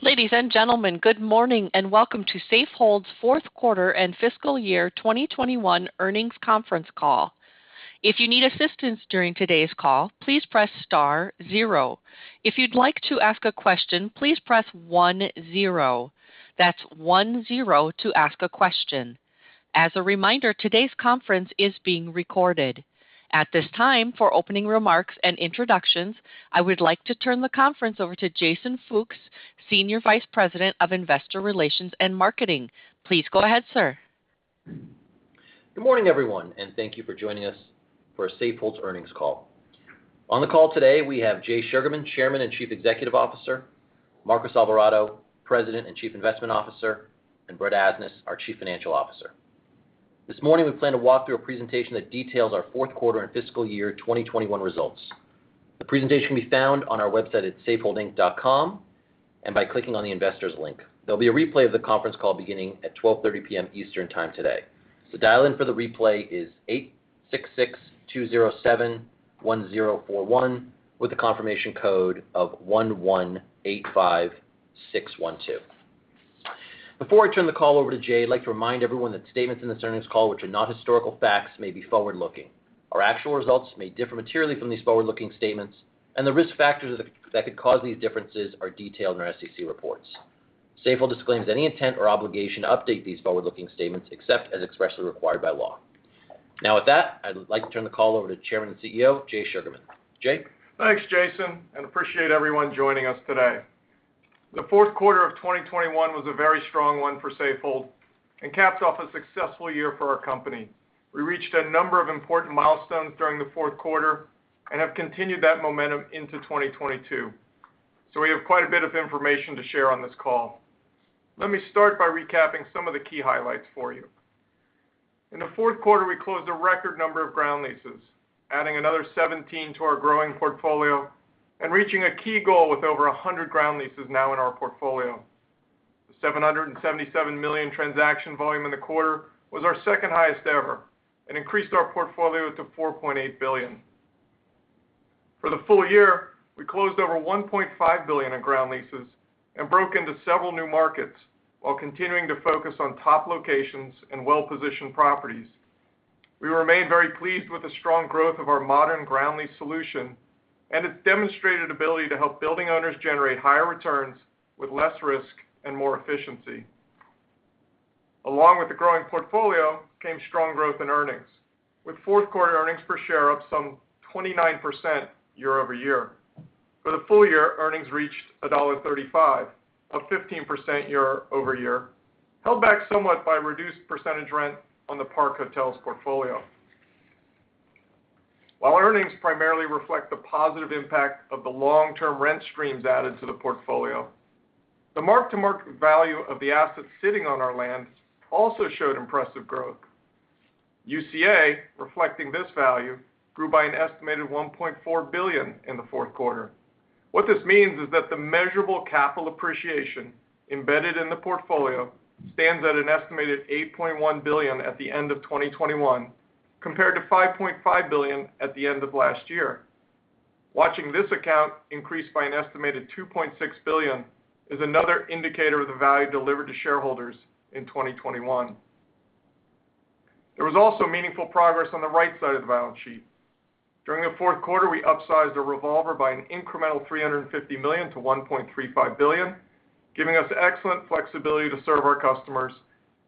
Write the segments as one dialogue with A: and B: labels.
A: Ladies and gentlemen, good morning, and welcome to Safehold's fourth quarter and fiscal year 2021 earnings conference call. If you need assistance during today's call, please press star zero. If you'd like to ask a question, please press one zero. That's one zero to ask a question. As a reminder, today's conference is being recorded. At this time, for opening remarks and introductions, I would like to turn the conference over to Jason Fooks, Senior Vice President of Investor Relations and Marketing. Please go ahead, sir.
B: Good morning, everyone, and thank you for joining us for Safehold's earnings call. On the call today we have Jay Sugarman, Chairman and Chief Executive Officer, Marcos Alvarado, President and Chief Investment Officer, and Brett Asnas, our Chief Financial Officer. This morning, we plan to walk through a presentation that details our fourth quarter and fiscal year 2021 results. The presentation can be found on our website at safeholdinc.com, and by clicking on the investors link. There'll be a replay of the conference call beginning at 12:30 P.M. Eastern time today. The dial-in for the replay is 866-207-1041, with a confirmation code of 1185612. Before I turn the call over to Jay, I'd like to remind everyone that statements in this earnings call which are not historical facts may be forward-looking. Our actual results may differ materially from these forward-looking statements and the risk factors that could cause these differences are detailed in our SEC reports. Safehold disclaims any intent or obligation to update these forward-looking statements except as expressly required by law. Now, with that, I'd like to turn the call over to Chairman and CEO, Jay Sugarman. Jay.
C: Thanks, Jason, and appreciate everyone joining us today. The fourth quarter of 2021 was a very strong one for Safehold and caps off a successful year for our company. We reached a number of important milestones during the fourth quarter and have continued that momentum into 2022. We have quite a bit of information to share on this call. Let me start by recapping some of the key highlights for you. In the fourth quarter, we closed a record number of ground leases, adding another 17 to our growing portfolio, and reaching a key goal with over 100 ground leases now in our portfolio. The $777 million transaction volume in the quarter was our second highest ever and increased our portfolio to $4.8 billion. For the full year, we closed over $1.5 billion in ground leases and broke into several new markets while continuing to focus on top locations and well-positioned properties. We remain very pleased with the strong growth of our modern ground lease solution and its demonstrated ability to help building owners generate higher returns with less risk and more efficiency. Along with the growing portfolio came strong growth in earnings, with fourth quarter earnings per share up some 29% year-over-year. For the full year, earnings reached $1.35, up 15% year-over-year, held back somewhat by reduced percentage rent on the Park Hotels portfolio. While earnings primarily reflect the positive impact of the long-term rent streams added to the portfolio, the mark-to-market value of the assets sitting on our lands also showed impressive growth. UCA, reflecting this value, grew by an estimated $1.4 billion in the fourth quarter. What this means is that the measurable capital appreciation embedded in the portfolio stands at an estimated $8.1 billion at the end of 2021, compared to $5.5 billion at the end of last year. Watching this account increase by an estimated $2.6 billion is another indicator of the value delivered to shareholders in 2021. There was also meaningful progress on the right side of the balance sheet. During the fourth quarter, we upsized a revolver by an incremental $350 million to $1.35 billion, giving us excellent flexibility to serve our customers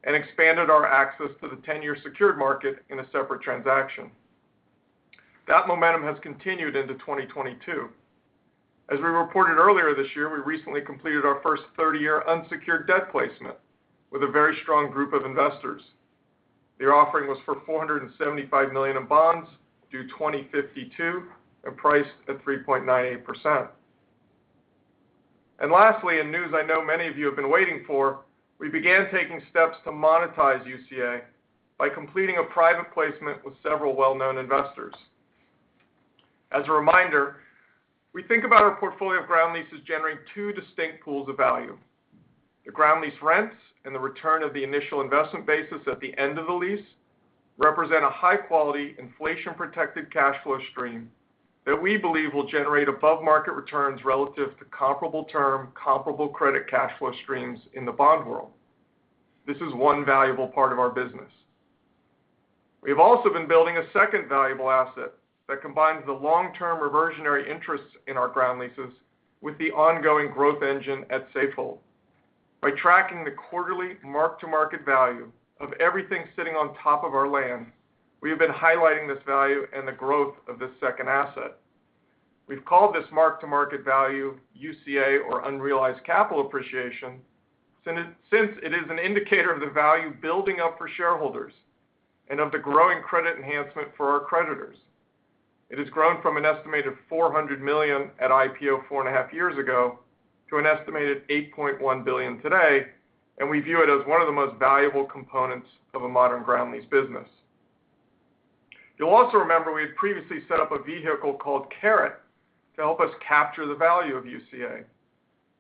C: and expanded our access to the ten-year secured market in a separate transaction. That momentum has continued into 2022. As we reported earlier this year, we recently completed our first 30-year unsecured debt placement with a very strong group of investors. Their offering was for $475 million in bonds due 2052 and priced at 3.98%. Lastly, in news I know many of you have been waiting for, we began taking steps to monetize UCA by completing a private placement with several well-known investors. As a reminder, we think about our portfolio of ground leases generating two distinct pools of value. The ground lease rents and the return of the initial investment basis at the end of the lease represent a high quality, inflation-protected cash flow stream that we believe will generate above-market returns relative to comparable term, comparable credit cash flow streams in the bond world. This is one valuable part of our business. We have also been building a second valuable asset that combines the long-term reversionary interests in our ground leases with the ongoing growth engine at Safehold. By tracking the quarterly mark-to-market value of everything sitting on top of our land, we have been highlighting this value and the growth of this second asset. We've called this mark-to-market value UCA or unrealized capital appreciation, since it is an indicator of the value building up for shareholders and of the growing credit enhancement for our creditors. It has grown from an estimated $400 million at IPO four and a half years ago to an estimated $8.1 billion today, and we view it as one of the most valuable components of a modern ground lease business. You'll also remember we had previously set up a vehicle called Caret to help us capture the value of UCA.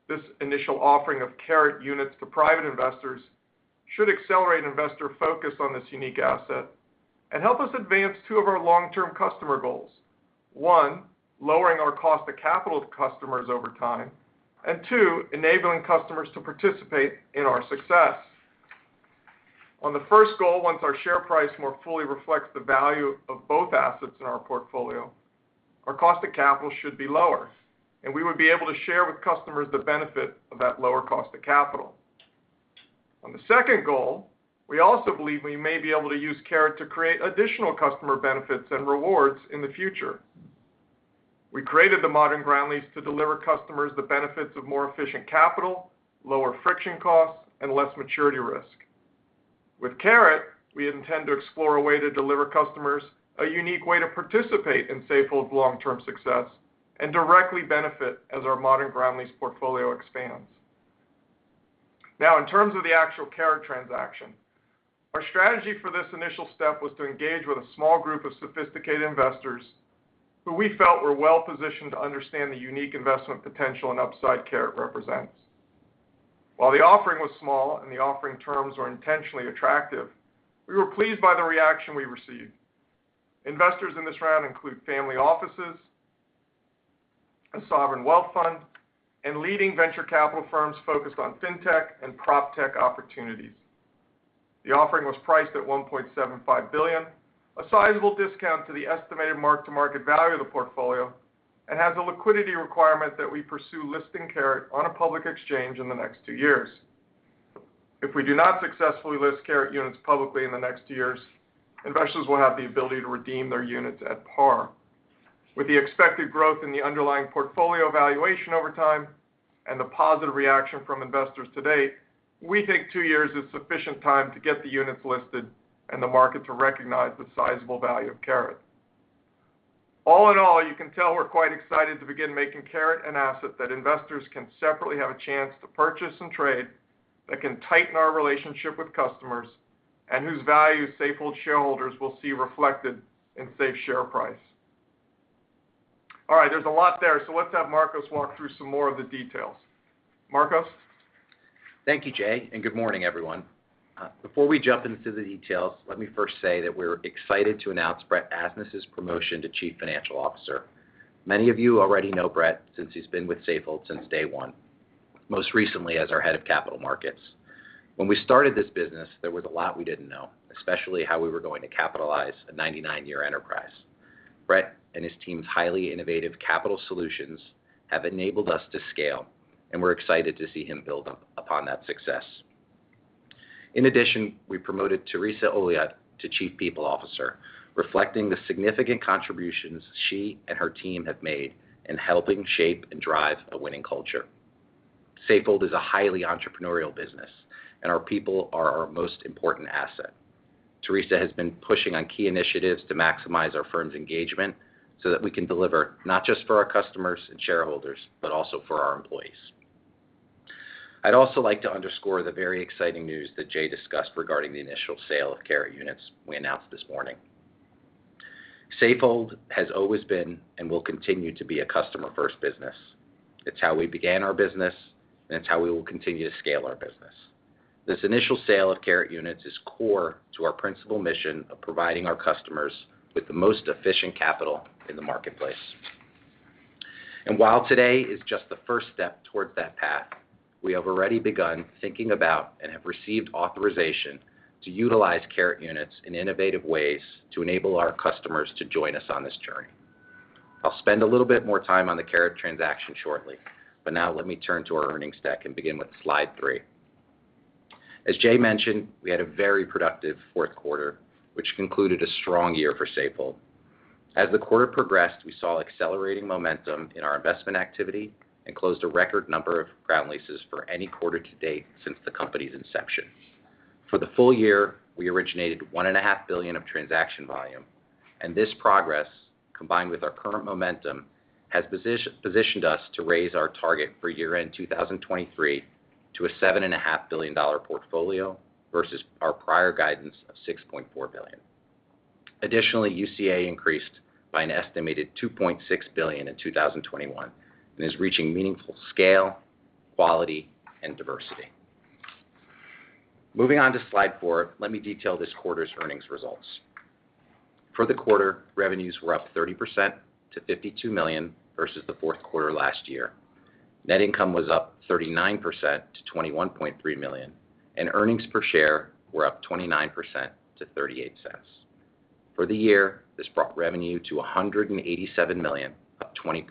C: This initial offering of Caret units to private investors should accelerate investor focus on this unique asset and help us advance two of our long-term customer goals. One, lowering our cost of capital to customers over time, and two, enabling customers to participate in our success. On the first goal, once our share price more fully reflects the value of both assets in our portfolio, our cost of capital should be lower, and we would be able to share with customers the benefit of that lower cost of capital. On the second goal, we also believe we may be able to use Caret to create additional customer benefits and rewards in the future. We created the modern ground lease to deliver customers the benefits of more efficient capital, lower friction costs, and less maturity risk. With Caret, we intend to explore a way to deliver customers a unique way to participate in Safehold's long-term success and directly benefit as our modern ground lease portfolio expands. Now, in terms of the actual Caret transaction, our strategy for this initial step was to engage with a small group of sophisticated investors who we felt were well-positioned to understand the unique investment potential and upside Caret represents. While the offering was small and the offering terms were intentionally attractive, we were pleased by the reaction we received. Investors in this round include family offices, a sovereign wealth fund, and leading venture capital firms focused on fintech and proptech opportunities. The offering was priced at $1.75 billion, a sizable discount to the estimated mark-to-market value of the portfolio, and has a liquidity requirement that we pursue listing Caret on a public exchange in the next two years. If we do not successfully list Caret units publicly in the next two years, investors will have the ability to redeem their units at par. With the expected growth in the underlying portfolio valuation over time and the positive reaction from investors to date, we think two years is sufficient time to get the units listed and the market to recognize the sizable value of Caret. All in all, you can tell we're quite excited to begin making Caret an asset that investors can separately have a chance to purchase and trade, that can tighten our relationship with customers, and whose value Safehold shareholders will see reflected in SAFE share price. All right, there's a lot there, so let's have Marcos walk through some more of the details. Marcos?
D: Thank you, Jay, and good morning, everyone. Before we jump into the details, let me first say that we're excited to announce Brett Asnas's promotion to Chief Financial Officer. Many of you already know Brett since he's been with Safehold since day one, most recently as our Head of Capital Markets. When we started this business, there was a lot we didn't know, especially how we were going to capitalize a 99-year enterprise. Brett and his team's highly innovative capital solutions have enabled us to scale, and we're excited to see him build upon that success. In addition, we promoted Theresa Ulyatt to Chief People Officer, reflecting the significant contributions she and her team have made in helping shape and drive a winning culture. Safehold is a highly entrepreneurial business, and our people are our most important asset. Theresa has been pushing on key initiatives to maximize our firm's engagement so that we can deliver not just for our customers and shareholders, but also for our employees. I'd also like to underscore the very exciting news that Jay discussed regarding the initial sale of Caret units we announced this morning. Safehold has always been, and will continue to be a customer-first business. It's how we began our business, and it's how we will continue to scale our business. This initial sale of Caret units is core to our principal mission of providing our customers with the most efficient capital in the marketplace. While today is just the first step towards that path, we have already begun thinking about and have received authorization to utilize Caret units in innovative ways to enable our customers to join us on this journey. I'll spend a little bit more time on the Caret transaction shortly, but now let me turn to our earnings deck and begin with slide three. As Jay mentioned, we had a very productive fourth quarter, which concluded a strong year for Safehold. As the quarter progressed, we saw accelerating momentum in our investment activity, and closed a record number of ground leases for any quarter to date since the company's inception. For the full year, we originated $1.5 billion of transaction volume, and this progress, combined with our current momentum, has positioned us to raise our target for year-end 2023 to a $7.5 billion portfolio versus our prior guidance of $6.4 billion. Additionally, UCA increased by an estimated $2.6 billion in 2021 and is reaching meaningful scale, quality, and diversity. Moving on to slide four, let me detail this quarter's earnings results. For the quarter, revenues were up 30% to $52 million versus the fourth quarter last year. Net income was up 39% to $21.3 million, and earnings per share were up 29% to $0.38. For the year, this brought revenue to $187 million, up 20%,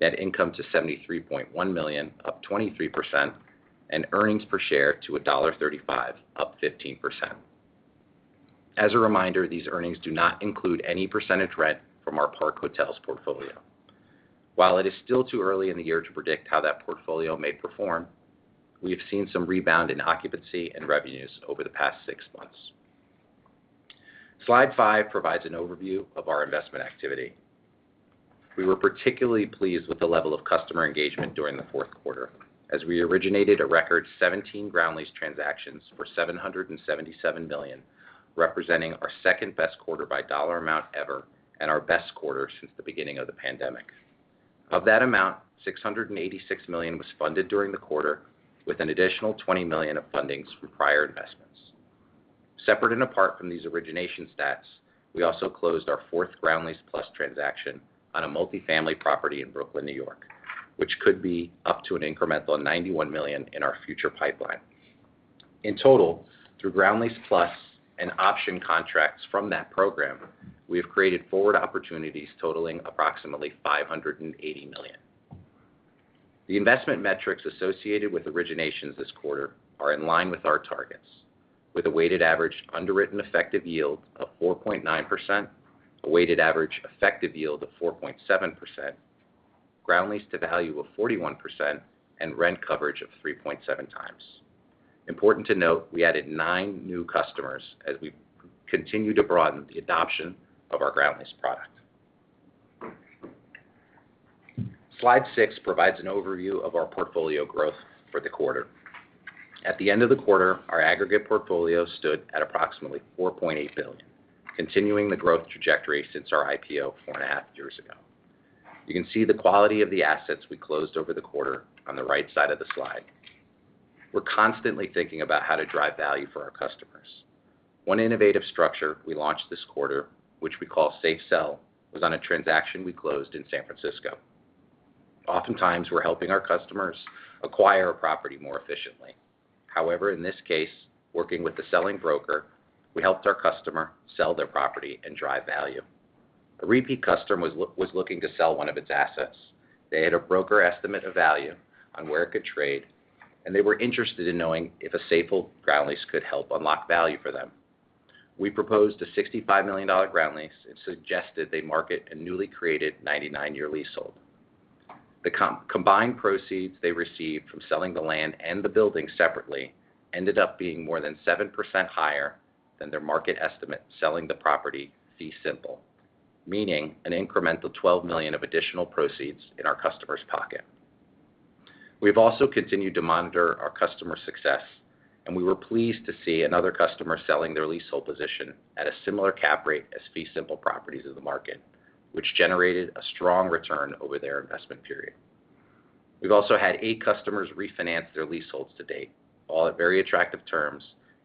D: net income to $73.1 million, up 23%, and earnings per share to $1.35, up 15%. As a reminder, these earnings do not include any percentage rent from our Park Hotels portfolio. While it is still too early in the year to predict how that portfolio may perform, we have seen some rebound in occupancy and revenues over the past six months. Slide five provides an overview of our investment activity. We were particularly pleased with the level of customer engagement during the fourth quarter as we originated a record 17 ground lease transactions for $777 million, representing our second-best quarter by dollar amount ever and our best quarter since the beginning of the pandemic. Of that amount, $686 million was funded during the quarter, with an additional $20 million of fundings from prior investments. Separate and apart from these origination stats, we also closed our fourth Ground Lease Plus transaction on a multifamily property in Brooklyn, New York, which could be up to an incremental $91 million in our future pipeline. In total, through Ground Lease Plus, and option contracts from that program, we have created forward opportunities totaling approximately $580 million. The investment metrics associated with originations this quarter are in line with our targets, with a weighted average underwritten effective yield of 4.9%, a weighted average effective yield of 4.7%, ground lease-to-value of 41%, and rent coverage of 3.7x. Important to note, we added nine new customers as we continue to broaden the adoption of our ground lease product. Slide six provides an overview of our portfolio growth for the quarter. At the end of the quarter, our aggregate portfolio stood at approximately $4.8 billion, continuing the growth trajectory since our IPO 4.5 years ago. You can see the quality of the assets we closed over the quarter on the right side of the slide. We're constantly thinking about how to drive value for our customers. One innovative structure we launched this quarter, which we call SafeX, was on a transaction we closed in San Francisco. Oftentimes, we're helping our customers acquire a property more efficiently. However, in this case, working with the selling broker, we helped our customer sell their property and drive value. A repeat customer was looking to sell one of its assets. They had a broker estimate a value on where it could trade, and they were interested in knowing if a Safehold ground lease could help unlock value for them. We proposed a $65 million ground lease and suggested they market a newly created 99-year leasehold. The combined proceeds they received from selling the land and the building separately ended up being more than 7% higher than their market estimate selling the property fee simple, meaning an incremental $12 million of additional proceeds in our customer's pocket. We've also continued to monitor our customer success, and we were pleased to see another customer selling their leasehold position at a similar cap rate as fee simple properties in the market, which generated a strong return over their investment period. We've also had eight customers refinance their leaseholds to date, all at very attractive terms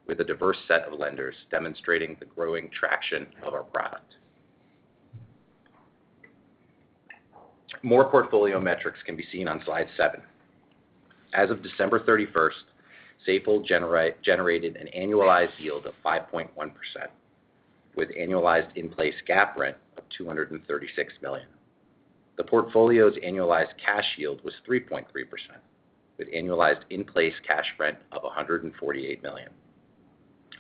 D: with a diverse set of lenders demonstrating the growing traction of our product. More portfolio metrics can be seen on slide 7. As of December thirty-first, Safehold generated an annualized yield of 5.1% with annualized in-place GAAP rent of $236 million. The portfolio's annualized cash yield was 3.3% with annualized in-place cash rent of $148 million.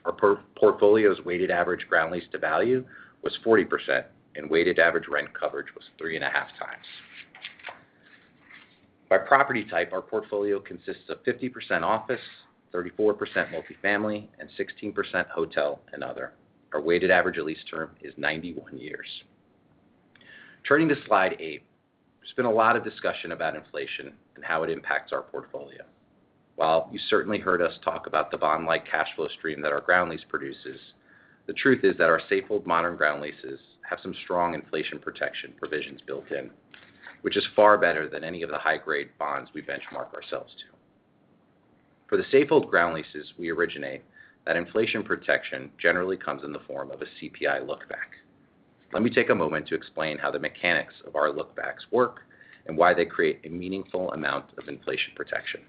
D: Our portfolio's weighted average ground lease-to-value was 40% and weighted average rent coverage was 3.5x. By property type, our portfolio consists of 50% office, 34% multifamily, and 16% hotel and other. Our weighted average lease term is 91 years. Turning to slide eight, there's been a lot of discussion about inflation and how it impacts our portfolio. While you certainly heard us talk about the bond-like cash flow stream that our ground lease produces, the truth is that our Safehold modern ground leases have some strong inflation protection provisions built in, which is far better than any of the high-grade bonds we benchmark ourselves to. For the Safehold ground leases we originate, that inflation protection generally comes in the form of a CPI lookback. Let me take a moment to explain how the mechanics of our lookbacks work and why they create a meaningful amount of inflation protection.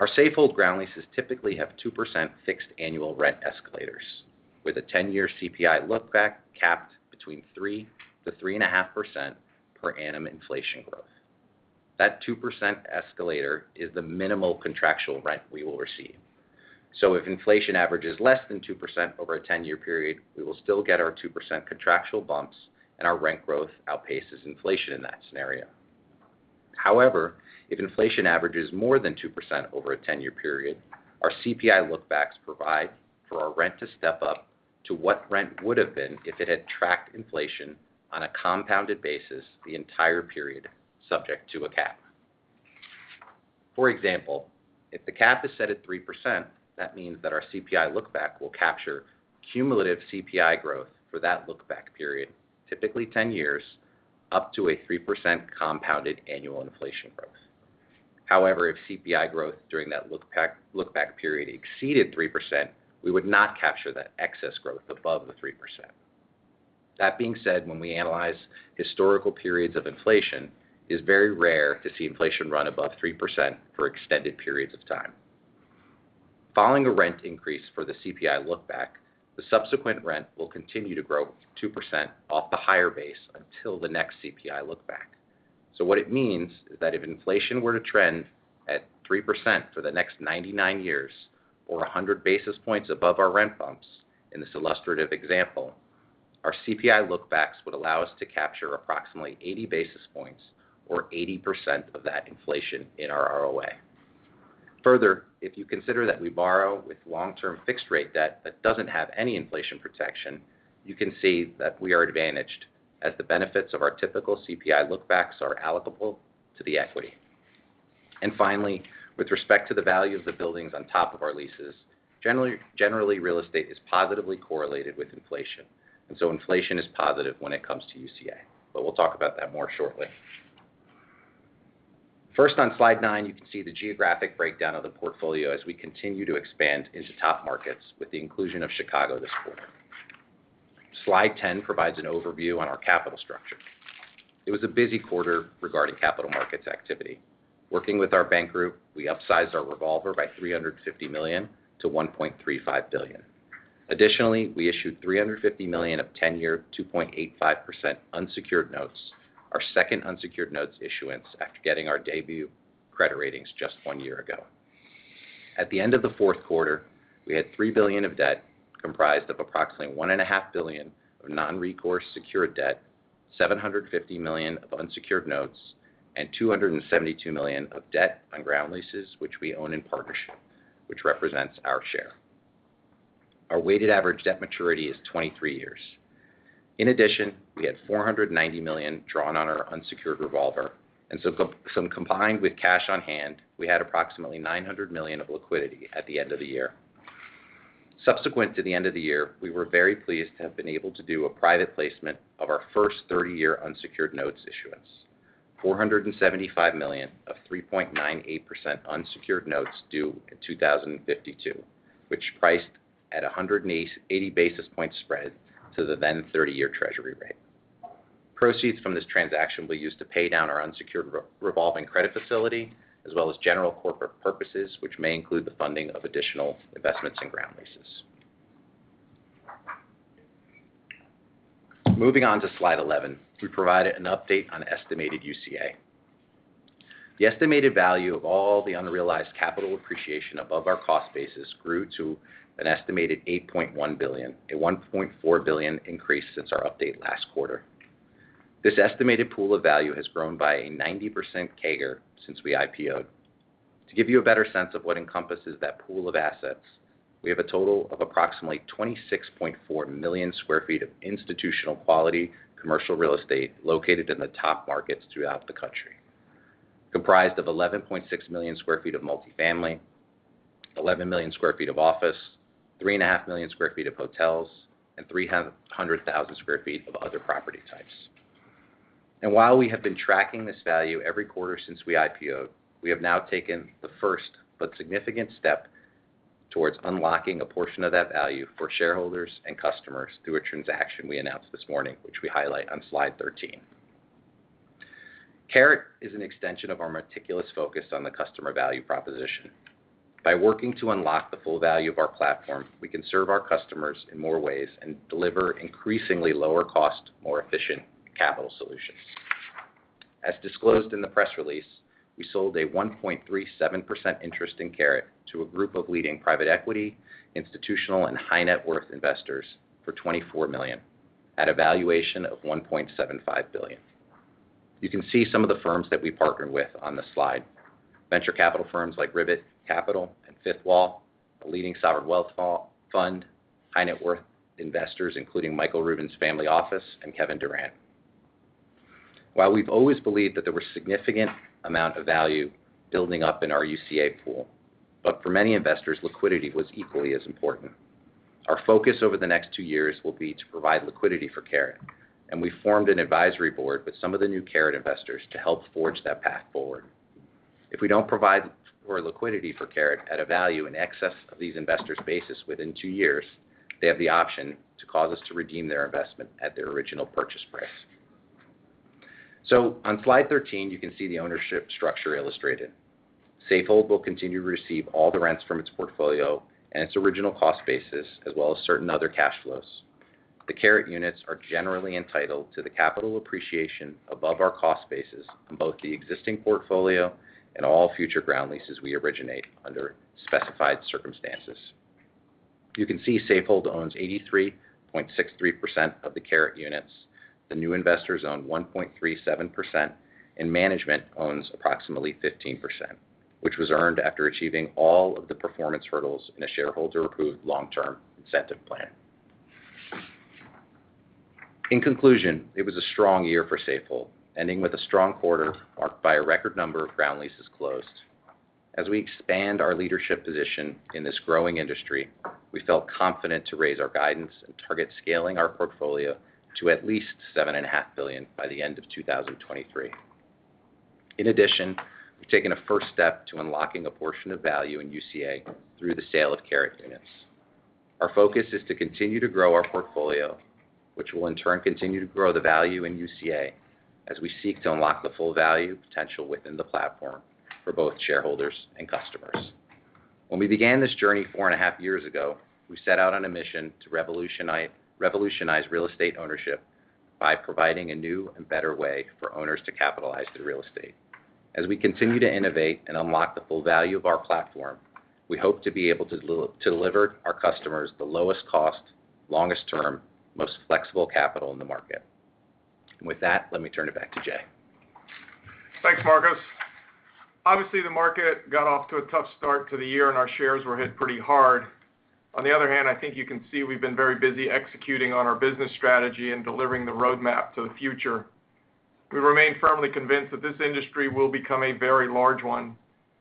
D: Our Safehold ground leases typically have 2% fixed annual rent escalators with a 10-year CPI lookback capped between 3%-3.5% per annum inflation growth. That 2% escalator is the minimal contractual rent we will receive. If inflation averages less than 2% over a 10-year period, we will still get our 2% contractual bumps, and our rent growth outpaces inflation in that scenario. However, if inflation averages more than 2% over a 10-year period, our CPI lookbacks provide for our rent to step up to what rent would have been if it had tracked inflation on a compounded basis the entire period subject to a cap. For example, if the cap is set at 3%, that means that our CPI lookback will capture cumulative CPI growth for that lookback period, typically 10 years, up to a 3% compounded annual inflation growth. However, if CPI growth during that lookback period exceeded 3%, we would not capture that excess growth above the 3%. That being said, when we analyze historical periods of inflation, it's very rare to see inflation run above 3% for extended periods of time. Following a rent increase for the CPI lookback, the subsequent rent will continue to grow 2% off the higher base until the next CPI lookback. What it means is that if inflation were to trend at 3% for the next 99 years or 100 basis points above our rent bumps in this illustrative example, our CPI lookbacks would allow us to capture approximately 80 basis points or 80% of that inflation in our ROA. Further, if you consider that we borrow with long-term fixed rate debt that doesn't have any inflation protection, you can see that we are advantaged as the benefits of our typical CPI lookbacks are allocable to the equity. Finally, with respect to the value of the buildings on top of our leases, generally real estate is positively correlated with inflation, and so inflation is positive when it comes to UCA, but we'll talk about that more shortly. First, on slide nine, you can see the geographic breakdown of the portfolio as we continue to expand into top markets with the inclusion of Chicago this quarter. Slide 10 provides an overview on our capital structure. It was a busy quarter regarding capital markets activity. Working with our bank group, we upsized our revolver by $350 million to $1.35 billion. Additionally, we issued $350 million of 10-year, 2.85% unsecured notes, our second unsecured notes issuance after getting our debut credit ratings just one year ago. At the end of the fourth quarter, we had $3 billion of debt, comprised of approximately $1.5 billion of non-recourse secured debt, $750 million of unsecured notes, and $272 million of debt on ground leases, which we own in partnership, which represents our share. Our weighted average debt maturity is 23 years. In addition, we had $490 million drawn on our unsecured revolver, and so combined with cash on hand, we had approximately $900 million of liquidity at the end of the year. Subsequent to the end of the year, we were very pleased to have been able to do a private placement of our first 30-year unsecured notes issuance. $475 million of 3.98% unsecured notes due in 2052, which priced at eighty basis point spread to the then 30-year treasury rate. Proceeds from this transaction will be used to pay down our unsecured revolving credit facility, as well as general corporate purposes, which may include the funding of additional investments in ground leases. Moving on to slide 11, we provided an update on estimated UCA. The estimated value of all the unrealized capital appreciation above our cost basis grew to an estimated $8.1 billion, a $1.4 billion increase since our update last quarter. This estimated pool of value has grown by a 90% CAGR since we IPO'd. To give you a better sense of what encompasses that pool of assets, we have a total of approximately 26.4 million sq ft of institutional quality commercial real estate located in the top markets throughout the country, comprised of 11.6 million sq ft of multifamily, 11 million sq ft of office, 3.5 million sq ft of hotels, and 300,000 sq ft of other property types. While we have been tracking this value every quarter since we IPO'd, we have now taken the first but significant step towards unlocking a portion of that value for shareholders and customers through a transaction we announced this morning, which we highlight on slide 13. Caret is an extension of our meticulous focus on the customer value proposition. By working to unlock the full value of our platform, we can serve our customers in more ways, and deliver increasingly lower cost, more efficient capital solutions. As disclosed in the press release, we sold a 1.37% interest in Caret to a group of leading private equity, institutional, and high net worth investors for $24 million at a valuation of $1.75 billion. You can see some of the firms that we partnered with on this slide. Venture capital firms like Ribbit Capital and Fifth Wall, a leading sovereign wealth fund, high net worth investors, including Michael Rubin's family office and Kevin Durant. While we've always believed that there was significant amount of value building up in our UCA pool, but for many investors, liquidity was equally as important. Our focus over the next two years will be to provide liquidity for Caret, and we formed an advisory board with some of the new Caret investors to help forge that path forward. If we don't provide for liquidity for Caret at a value in excess of these investors' basis within two years, they have the option to cause us to redeem their investment at their original purchase price. On slide 13, you can see the ownership structure illustrated. Safehold will continue to receive all the rents from its portfolio and its original cost basis, as well as certain other cash flows. The Caret units are generally entitled to the capital appreciation above our cost basis on both the existing portfolio and all future ground leases we originate under specified circumstances. You can see Safehold owns 83.63% of the Caret units. The new investors own 1.37%, and management owns approximately 15%, which was earned after achieving all of the performance hurdles in a shareholder-approved long-term incentive plan. In conclusion, it was a strong year for Safehold, ending with a strong quarter marked by a record number of ground leases closed. As we expand our leadership position in this growing industry, we felt confident to raise our guidance and target scaling our portfolio to at least $7.5 billion by the end of 2023. In addition, we've taken a first step to unlocking a portion of value in UCA through the sale of Caret units. Our focus is to continue to grow our portfolio, which will in turn continue to grow the value in UCA as we seek to unlock the full value potential within the platform for both shareholders and customers. When we began this journey four and a half years ago, we set out on a mission to revolutionize real estate ownership by providing a new and better way for owners to capitalize their real estate. As we continue to innovate and unlock the full value of our platform, we hope to be able to deliver our customers the lowest cost, longest term, most flexible capital in the market. With that, let me turn it back to Jay.
C: Thanks, Marcos. Obviously, the market got off to a tough start to the year, and our shares were hit pretty hard. On the other hand, I think you can see we've been very busy executing on our business strategy and delivering the roadmap to the future. We remain firmly convinced that this industry will become a very large one,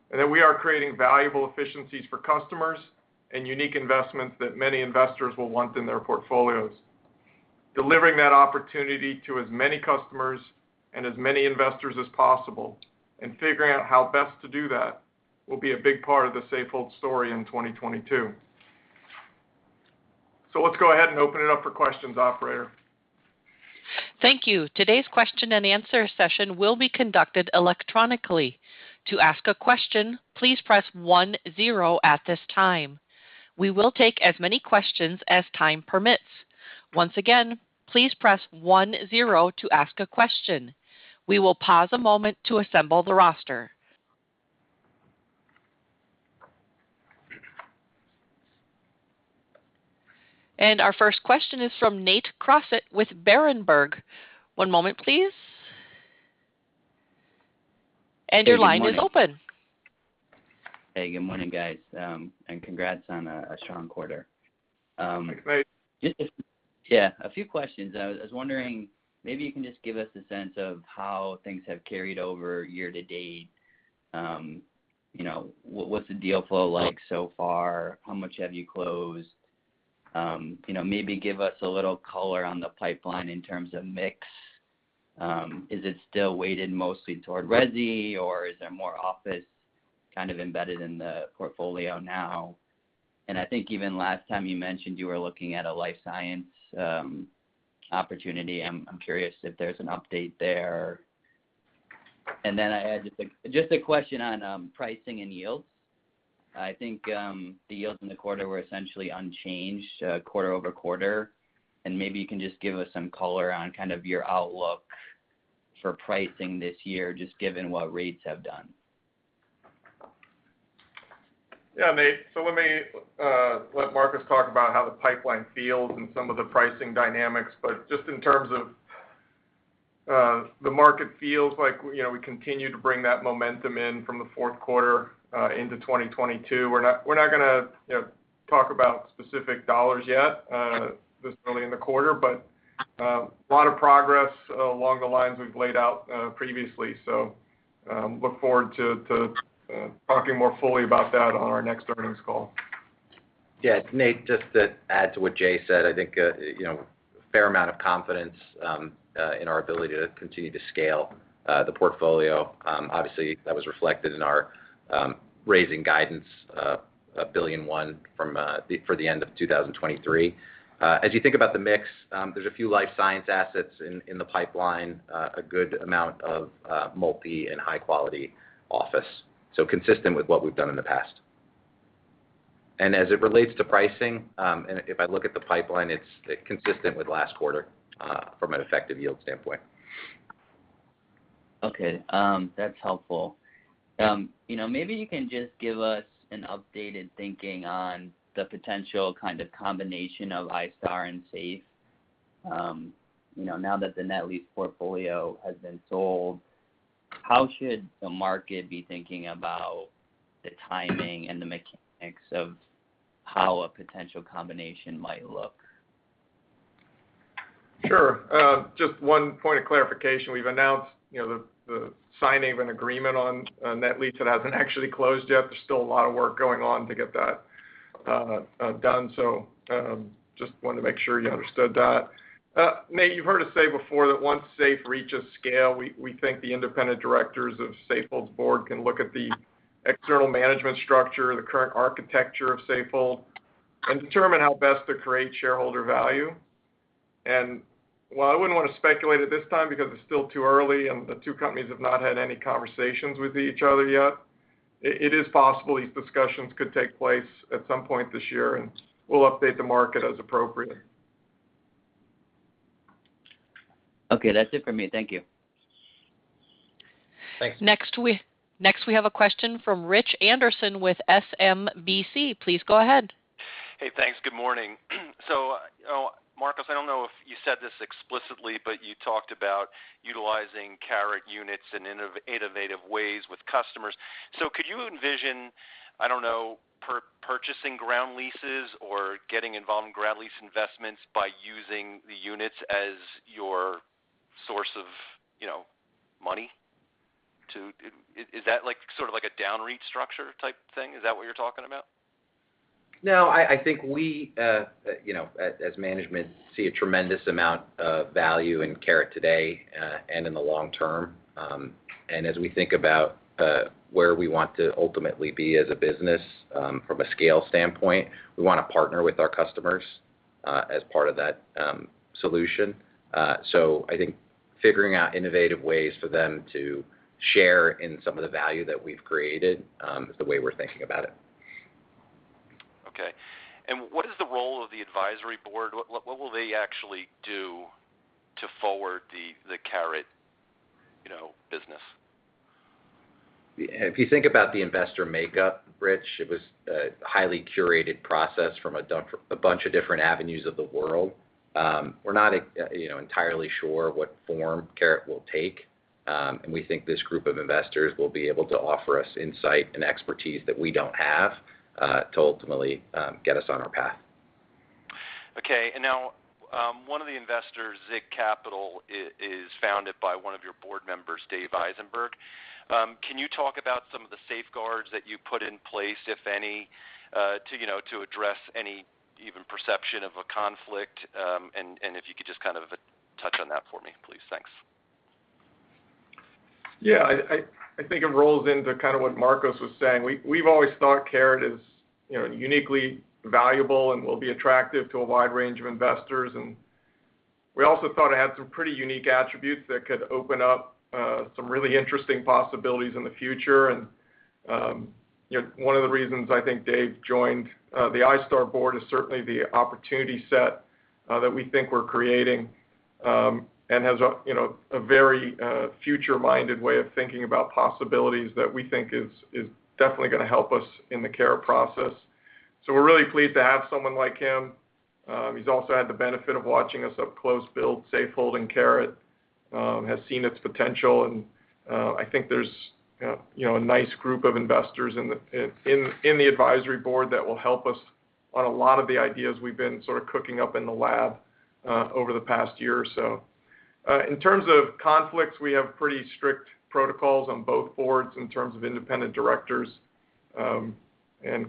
C: and that we are creating valuable efficiencies for customers and unique investments that many investors will want in their portfolios. Delivering that opportunity to as many customers and as many investors as possible and figuring out how best to do that will be a big part of the Safehold story in 2022. Let's go ahead and open it up for questions, operator.
A: Thank you. Today's question-and-answer session will be conducted electronically. To ask a question, please press one zero at this time. We will take as many questions as time permits. Once again, please press one zero to ask a question. We will pause a moment to assemble the roster. Our first question is from Nate Crossett with Berenberg. One moment please. Your line is open.
E: Hey, good morning. Hey, good morning, guys. Congrats on a strong quarter.
C: Thanks, Nate.
E: A few questions. I was wondering, maybe you can just give us a sense of how things have carried over year-to-date. You know, what's the deal flow like so far? How much have you closed? You know, maybe give us a little color on the pipeline in terms of mix. Is it still weighted mostly toward resi, or is there more office kind of embedded in the portfolio now? I think even last time you mentioned you were looking at a life science opportunity. I'm curious if there's an update there. I had just a question on pricing and yields. I think the yields in the quarter were essentially unchanged quarter-over-quarter. Maybe you can just give us some color on kind of your outlook for pricing this year, just given what rates have done?
C: Yeah, Nate. Let me let Marcos talk about how the pipeline feels and some of the pricing dynamics. But just in terms of the market feels like, you know, we continue to bring that momentum in from the fourth quarter into 2022. We're not gonna, you know, talk about specific dollars yet this early in the quarter, but a lot of progress along the lines we've laid out previously. We look forward to talking more fully about that on our next earnings call.
D: Yeah. Nate, just to add to what Jay said, I think you know a fair amount of confidence in our ability to continue to scale the portfolio. Obviously, that was reflected in our raising guidance $1.1 billion for the end of 2023. As you think about the mix, there's a few life science assets in the pipeline, a good amount of multifamily and high-quality office. So consistent with what we've done in the past. As it relates to pricing, and if I look at the pipeline, it's consistent with last quarter from an effective yield standpoint.
E: Okay. That's helpful. You know, maybe you can just give us an updated thinking on the potential kind of combination of iStar and SAFE. You know, now that the net lease portfolio has been sold, how should the market be thinking about the timing and the mechanics of how a potential combination might look?
C: Sure. Just one point of clarification. We've announced, you know, the signing of an agreement on net lease. It hasn't actually closed yet. There's still a lot of work going on to get that done. Just wanted to make sure you understood that. Nate, you've heard us say before that once SAFE reaches scale, we think the independent directors of Safehold's board can look at the external management structure, the current architecture of Safehold, and determine how best to create shareholder value. While I wouldn't want to speculate at this time because it's still too early and the two companies have not had any conversations with each other yet, it is possible these discussions could take place at some point this year, and we'll update the market as appropriate.
E: Okay. That's it for me. Thank you.
C: Thanks.
A: Next we have a question from Rich Anderson with SMBC. Please go ahead.
F: Hey, thanks. Good morning. Marcos, I don't know if you said this explicitly, but you talked about utilizing Caret units in innovative ways with customers. Could you envision, I don't know, purchasing ground leases or getting involved in ground lease investments by using the units as your source of money to purchase? Is that like, sort of like a downstream structure type thing? Is that what you're talking about?
D: No, I think we, you know, as management see a tremendous amount of value in Caret today, and in the long term. As we think about where we want to ultimately be as a business, from a scale standpoint, we wanna partner with our customers, as part of that solution. I think figuring out innovative ways for them to share in some of the value that we've created is the way we're thinking about it.
F: Okay. What is the role of the advisory board? What will they actually do to forward the Caret, you know, business?
D: If you think about the investor makeup, Rich, it was a highly curated process from a bunch of different avenues of the world. We're not, you know, entirely sure what form Caret will take, and we think this group of investors will be able to offer us insight and expertise that we don't have, to ultimately get us on our path.
F: Okay. Now, one of the investors, Zigg Capital, is founded by one of your board members, Dave Eisenberg. Can you talk about some of the safeguards that you put in place, if any, to, you know, to address any even perception of a conflict? If you could just kind of touch on that for me, please. Thanks.
C: Yeah. I think it rolls into kind of what Marcos was saying. We've always thought Caret is, you know, uniquely valuable and will be attractive to a wide range of investors. We also thought it had some pretty unique attributes that could open up some really interesting possibilities in the future. One of the reasons I think Dave joined the iStar board is certainly the opportunity set that we think we're creating, and has a, you know, a very future-minded way of thinking about possibilities that we think is definitely gonna help us in the Caret process. We're really pleased to have someone like him. He's also had the benefit of watching us up close build Safehold and Caret, has seen its potential. I think there's you know a nice group of investors in the advisory board that will help us on a lot of the ideas we've been sort of cooking up in the lab over the past year or so. In terms of conflicts, we have pretty strict protocols on both boards in terms of independent directors.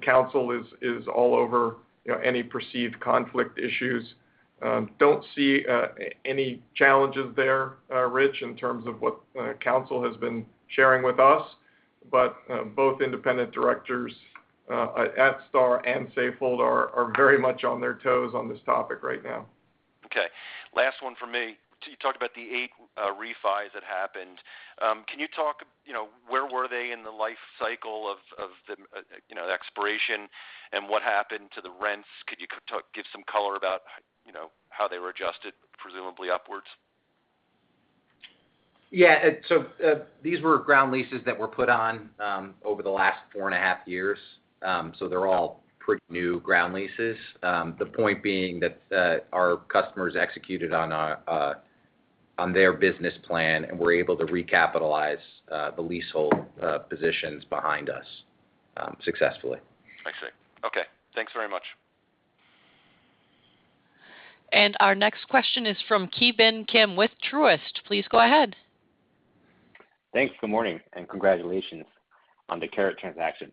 C: Counsel is all over you know any perceived conflict issues. Don't see any challenges there Rich in terms of what counsel has been sharing with us. Both independent directors at iStar and Safehold are very much on their toes on this topic right now.
F: Okay. Last one from me. You talked about the eight refis that happened. Can you talk, you know, where were they in the life cycle of the, you know, the expiration, and what happened to the rents? Could you give some color about, you know, how they were adjusted, presumably upwards?
D: Yeah. These were ground leases that were put on over the last four and a half years. They're all pretty new ground leases. The point being that our customers executed on their business plan, and we're able to recapitalize the leasehold positions behind us successfully.
F: I see. Okay. Thanks very much.
A: Our next question is from Ki Bin Kim with Truist. Please go ahead.
G: Thanks. Good morning, and congratulations on the Caret transaction.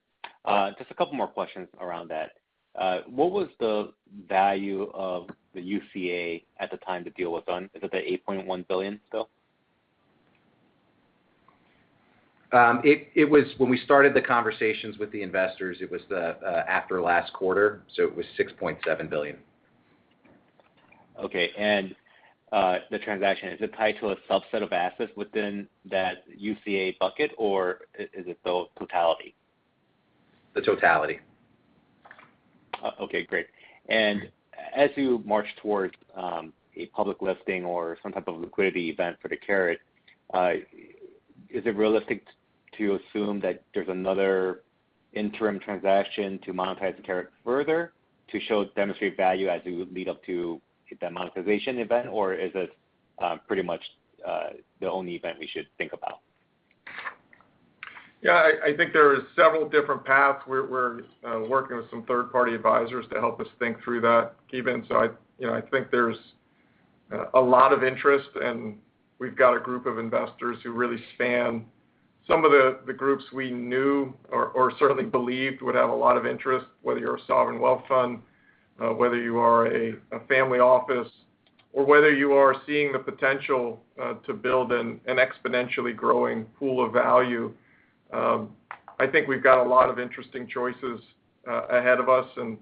G: Just a couple more questions around that. What was the value of the UCA at the time the deal was done? Is it the $8.1 billion still?
D: When we started the conversations with the investors, it was after last quarter, so it was $6.7 billion.
G: Okay, the transaction, is it tied to a subset of assets within that UCA bucket, or is it the totality?
D: The totality.
G: Okay, great. As you march towards a public listing or some type of liquidity event for the Caret, is it realistic to assume that there's another interim transaction to monetize the Caret further to demonstrate value as you lead up to the monetization event, or is it pretty much the only event we should think about?
C: Yeah. I think there are several different paths. We're working with some third-party advisors to help us think through that even. You know, I think there's a lot of interest, and we've got a group of investors who really span some of the groups we knew or certainly believed would have a lot of interest, whether you're a sovereign wealth fund, whether you are a family office, or whether you are seeing the potential to build an exponentially growing pool of value. I think we've got a lot of interesting choices ahead of us, and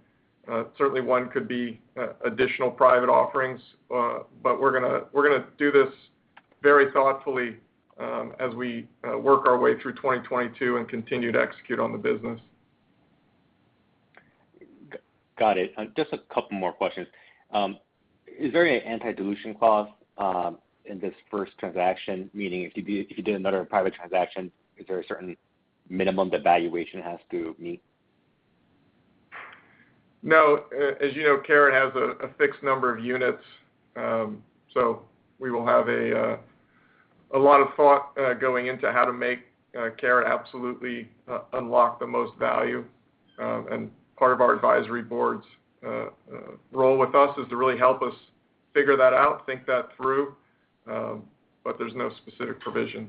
C: certainly one could be additional private offerings. We're gonna do this very thoughtfully, as we work our way through 2022 and continue to execute on the business.
G: Got it. Just a couple more questions. Is there an anti-dilution clause in this first transaction? Meaning if you did another private transaction, is there a certain minimum the valuation has to meet?
C: No. As you know, Caret has a fixed number of units. We will have a lot of thought going into how to make Caret absolutely unlock the most value. Part of our advisory board's role with us is to really help us figure that out, think that through, but there's no specific provision.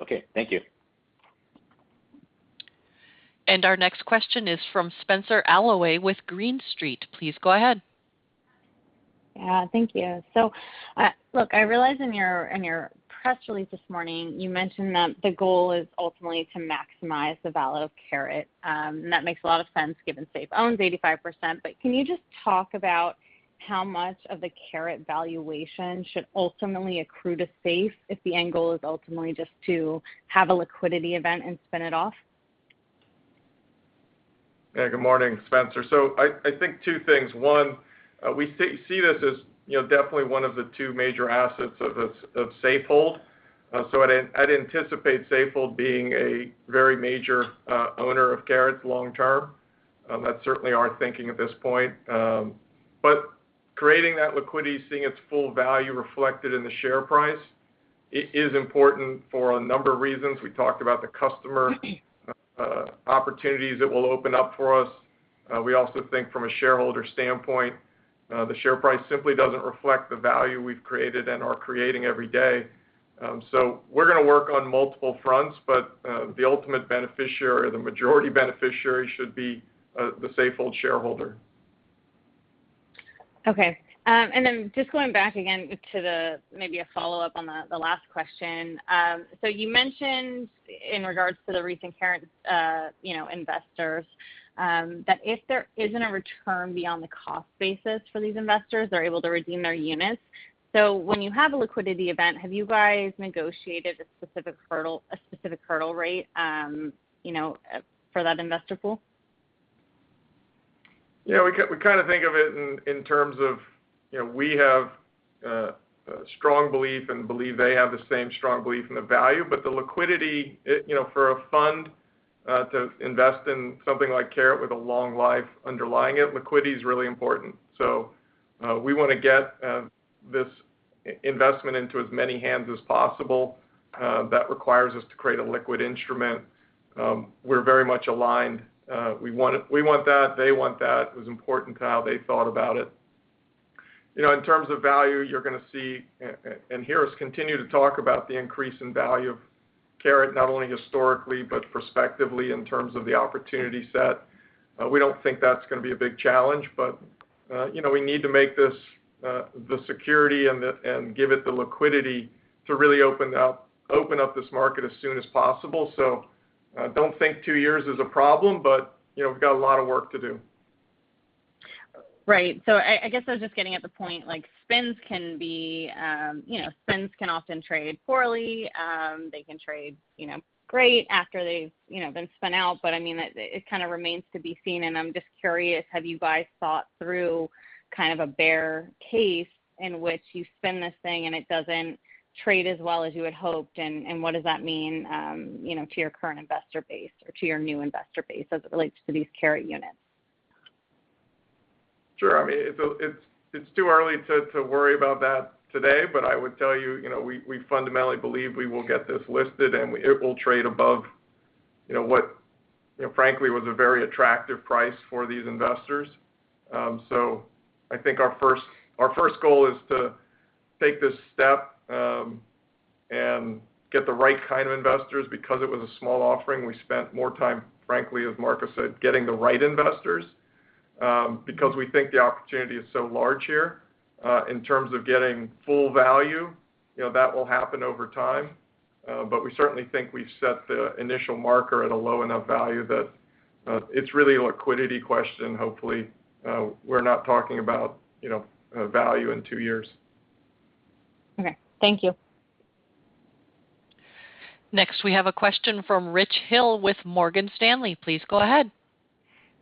G: Okay. Thank you.
A: Our next question is from Spenser Allaway with Green Street. Please go ahead.
H: Yeah. Thank you. Look, I realize in your press release this morning, you mentioned that the goal is ultimately to maximize the value of Caret, and that makes a lot of sense given Safe owns 85%. Can you just talk about how much of the Caret valuation should ultimately accrue to Safe if the end goal is ultimately just to have a liquidity event and spin it off?
C: Yeah. Good morning, Spenser. I think two things. One, we see this as, you know, definitely one of the two major assets of Safehold. I'd anticipate Safehold being a very major owner of Caret long term. That's certainly our thinking at this point. Creating that liquidity, seeing its full value reflected in the share price is important for a number of reasons. We talked about the customer opportunities that will open up for us. We also think from a shareholder standpoint, the share price simply doesn't reflect the value we've created and are creating every day. We're gonna work on multiple fronts, but the ultimate beneficiary or the majority beneficiary should be the Safehold shareholder.
H: Okay. Then just going back again to the maybe a follow-up on the last question. You mentioned in regards to the recent Caret, you know, investors, that if there isn't a return beyond the cost basis for these investors, they're able to redeem their units. When you have a liquidity event, have you guys negotiated a specific hurdle rate for that investor pool?
C: Yeah, we kind of think of it in terms of, you know, we have a strong belief and believe they have the same strong belief in the value. The liquidity, you know, for a fund to invest in something like Caret with a long life underlying it, liquidity is really important. We wanna get this investment into as many hands as possible. That requires us to create a liquid instrument. We're very much aligned. We want that. They want that. It was important to how they thought about it. You know, in terms of value, you're gonna see and hear us continue to talk about the increase in value of Caret, not only historically, but prospectively in terms of the opportunity set. We don't think that's gonna be a big challenge, but you know, we need to make this the security and give it the liquidity to really open up this market as soon as possible. Don't think two years is a problem, but you know, we've got a lot of work to do.
H: Right. I guess I was just getting at the point, like spins can often trade poorly. They can trade great after they've been spun out. I mean, it kind of remains to be seen, and I'm just curious, have you guys thought through kind of a bear case in which you spin this thing and it doesn't trade as well as you had hoped, and what does that mean, you know, to your current investor base or to your new investor base as it relates to these Caret units?
C: Sure. I mean, it's too early to worry about that today. I would tell you know, we fundamentally believe we will get this listed, and it will trade above, you know, what, you know, frankly, was a very attractive price for these investors. I think our first goal is to take this step and get the right kind of investors. Because it was a small offering, we spent more time, frankly, as Marcos said, getting the right investors, because we think the opportunity is so large here. In terms of getting full value, you know, that will happen over time. We certainly think we've set the initial marker at a low enough value that it's really a liquidity question. Hopefully, we're not talking about, you know, value in two years.
H: Okay. Thank you.
A: Next, we have a question from Rich Hill with Morgan Stanley. Please go ahead.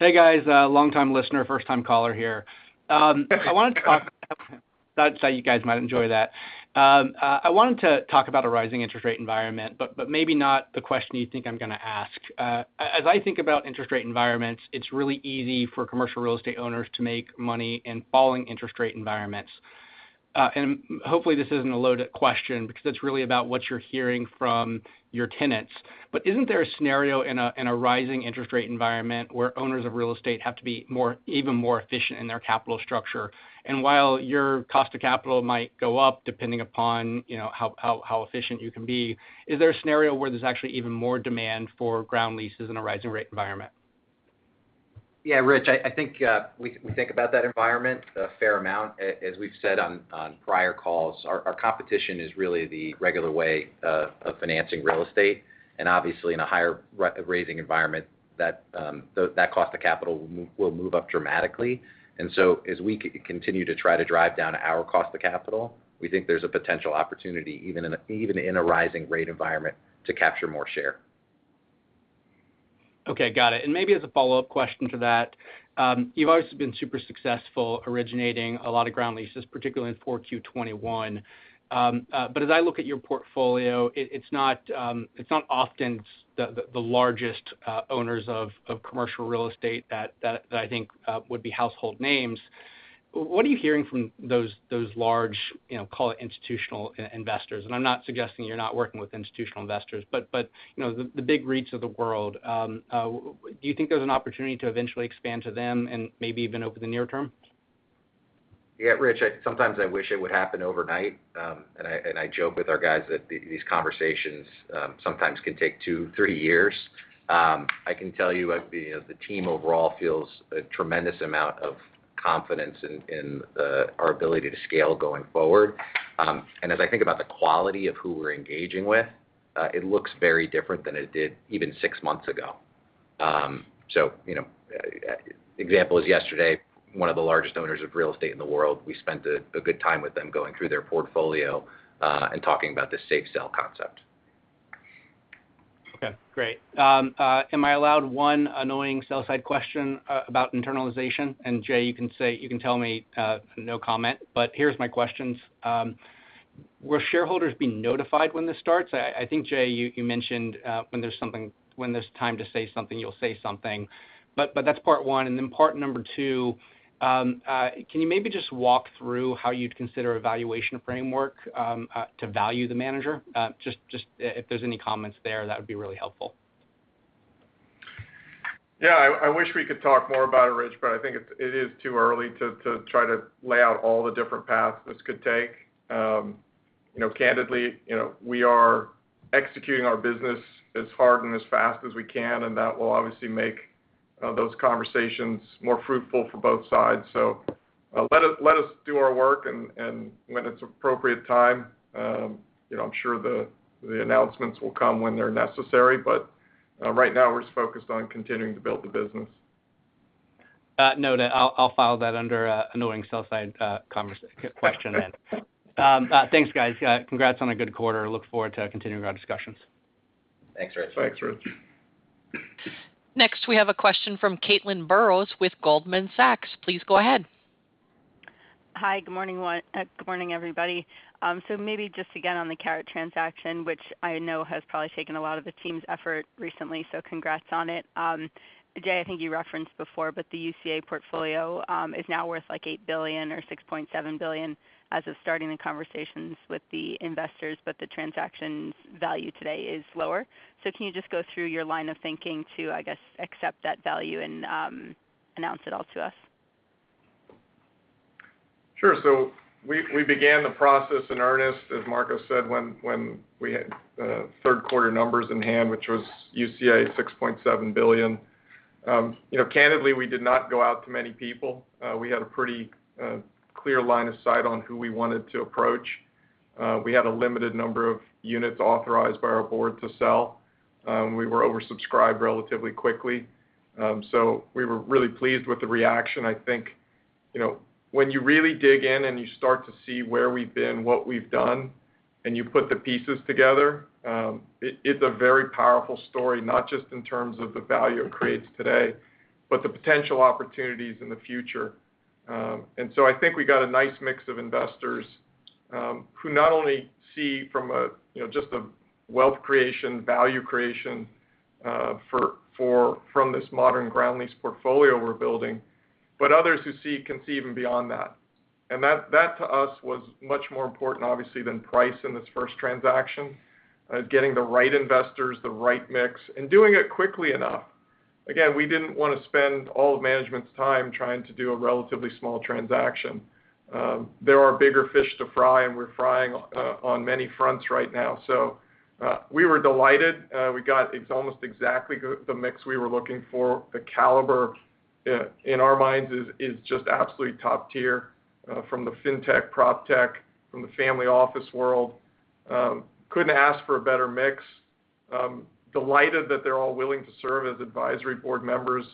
I: Hey, guys. Longtime listener, first-time caller here. Thought you guys might enjoy that. I wanted to talk about a rising interest rate environment, but maybe not the question you think I'm gonna ask. As I think about interest rate environments, it's really easy for commercial real estate owners to make money in falling interest rate environments. Hopefully, this isn't a loaded question because it's really about what you're hearing from your tenants. Isn't there a scenario in a rising interest rate environment where owners of real estate have to be even more efficient in their capital structure? While your cost of capital might go up, depending upon, you know, how efficient you can be, is there a scenario where there's actually even more demand for ground leases in a rising rate environment?
D: Yeah, Rich, I think we think about that environment a fair amount. As we've said on prior calls, our competition is really the regular way of financing real estate. Obviously, in a higher rate environment, that cost of capital will move up dramatically. As we continue to try to drive down our cost of capital, we think there's a potential opportunity, even in a rising rate environment, to capture more share.
I: Okay. Got it. Maybe as a follow-up question to that, you've always been super successful originating a lot of ground leases, particularly in 4Q 2021. But as I look at your portfolio, it's not often the largest owners of commercial real estate that I think would be household names. What are you hearing from those large, you know, call it institutional investors? I'm not suggesting you're not working with institutional investors, but you know, the big REITs of the world, do you think there's an opportunity to eventually expand to them and maybe even over the near term?
D: Yeah, Rich, I sometimes wish it would happen overnight. I joke with our guys that these conversations sometimes can take two, three years. I can tell you the team overall feels a tremendous amount of confidence in our ability to scale going forward. As I think about the quality of who we're engaging with, it looks very different than it did even six months ago. You know, example is yesterday, one of the largest owners of real estate in the world, we spent a good time with them going through their portfolio and talking about the SAFExSELL concept.
I: Okay, great. Am I allowed one annoying sell-side question about internalization? Jay, you can tell me no comment, but here's my questions. Will shareholders be notified when this starts? I think, Jay, you mentioned when there's time to say something, you'll say something. That's part one. Then part two, can you maybe just walk through how you'd consider valuation framework to value the manager? Just, if there's any comments there, that would be really helpful.
C: Yeah. I wish we could talk more about it, Rich, but I think it is too early to try to lay out all the different paths this could take. You know, candidly, you know, we are executing our business as hard and as fast as we can, and that will obviously make those conversations more fruitful for both sides. Let us do our work and when it's appropriate time, you know, I'm sure the announcements will come when they're necessary. Right now we're just focused on continuing to build the business.
I: Noted. I'll file that under annoying sell-side question then. Thanks, guys. Congrats on a good quarter. I look forward to continuing our discussions.
J: Thanks, Rich.
C: Thanks, Rich.
A: Next, we have a question from Caitlin Burrows with Goldman Sachs. Please go ahead.
K: Hi. Good morning, everybody. Maybe just again on the Caret transaction, which I know has probably taken a lot of the team's effort recently, so congrats on it. Jay, I think you referenced before, but the UCA portfolio is now worth, like, $8 billion or $6.7 billion as of starting the conversations with the investors, but the transaction's value today is lower. Can you just go through your line of thinking to, I guess, accept that value and announce it all to us?
C: Sure. We began the process in earnest, as Marcos said, when we had third quarter numbers in hand, which was UCA at $6.7 billion. You know, candidly, we did not go out to many people. We had a pretty clear line of sight on who we wanted to approach. We had a limited number of units authorized by our board to sell. We were oversubscribed relatively quickly. We were really pleased with the reaction. I think, you know, when you really dig in and you start to see where we've been, what we've done, and you put the pieces together, it's a very powerful story, not just in terms of the value it creates today, but the potential opportunities in the future. I think we got a nice mix of investors, who not only see from a, you know, just a wealth creation, value creation, from this modern ground lease portfolio we're building, but others who can see even beyond that. That to us was much more important obviously than price in this first transaction, getting the right investors, the right mix, and doing it quickly enough. Again, we didn't wanna spend all of management's time trying to do a relatively small transaction. There are bigger fish to fry, and we're frying on many fronts right now. We were delighted. We got it's almost exactly the mix we were looking for. The caliber, in our minds is just absolutely top tier, from the fintech, proptech, from the family office world. I couldn't ask for a better mix. Delighted that they're all willing to serve as advisory board members.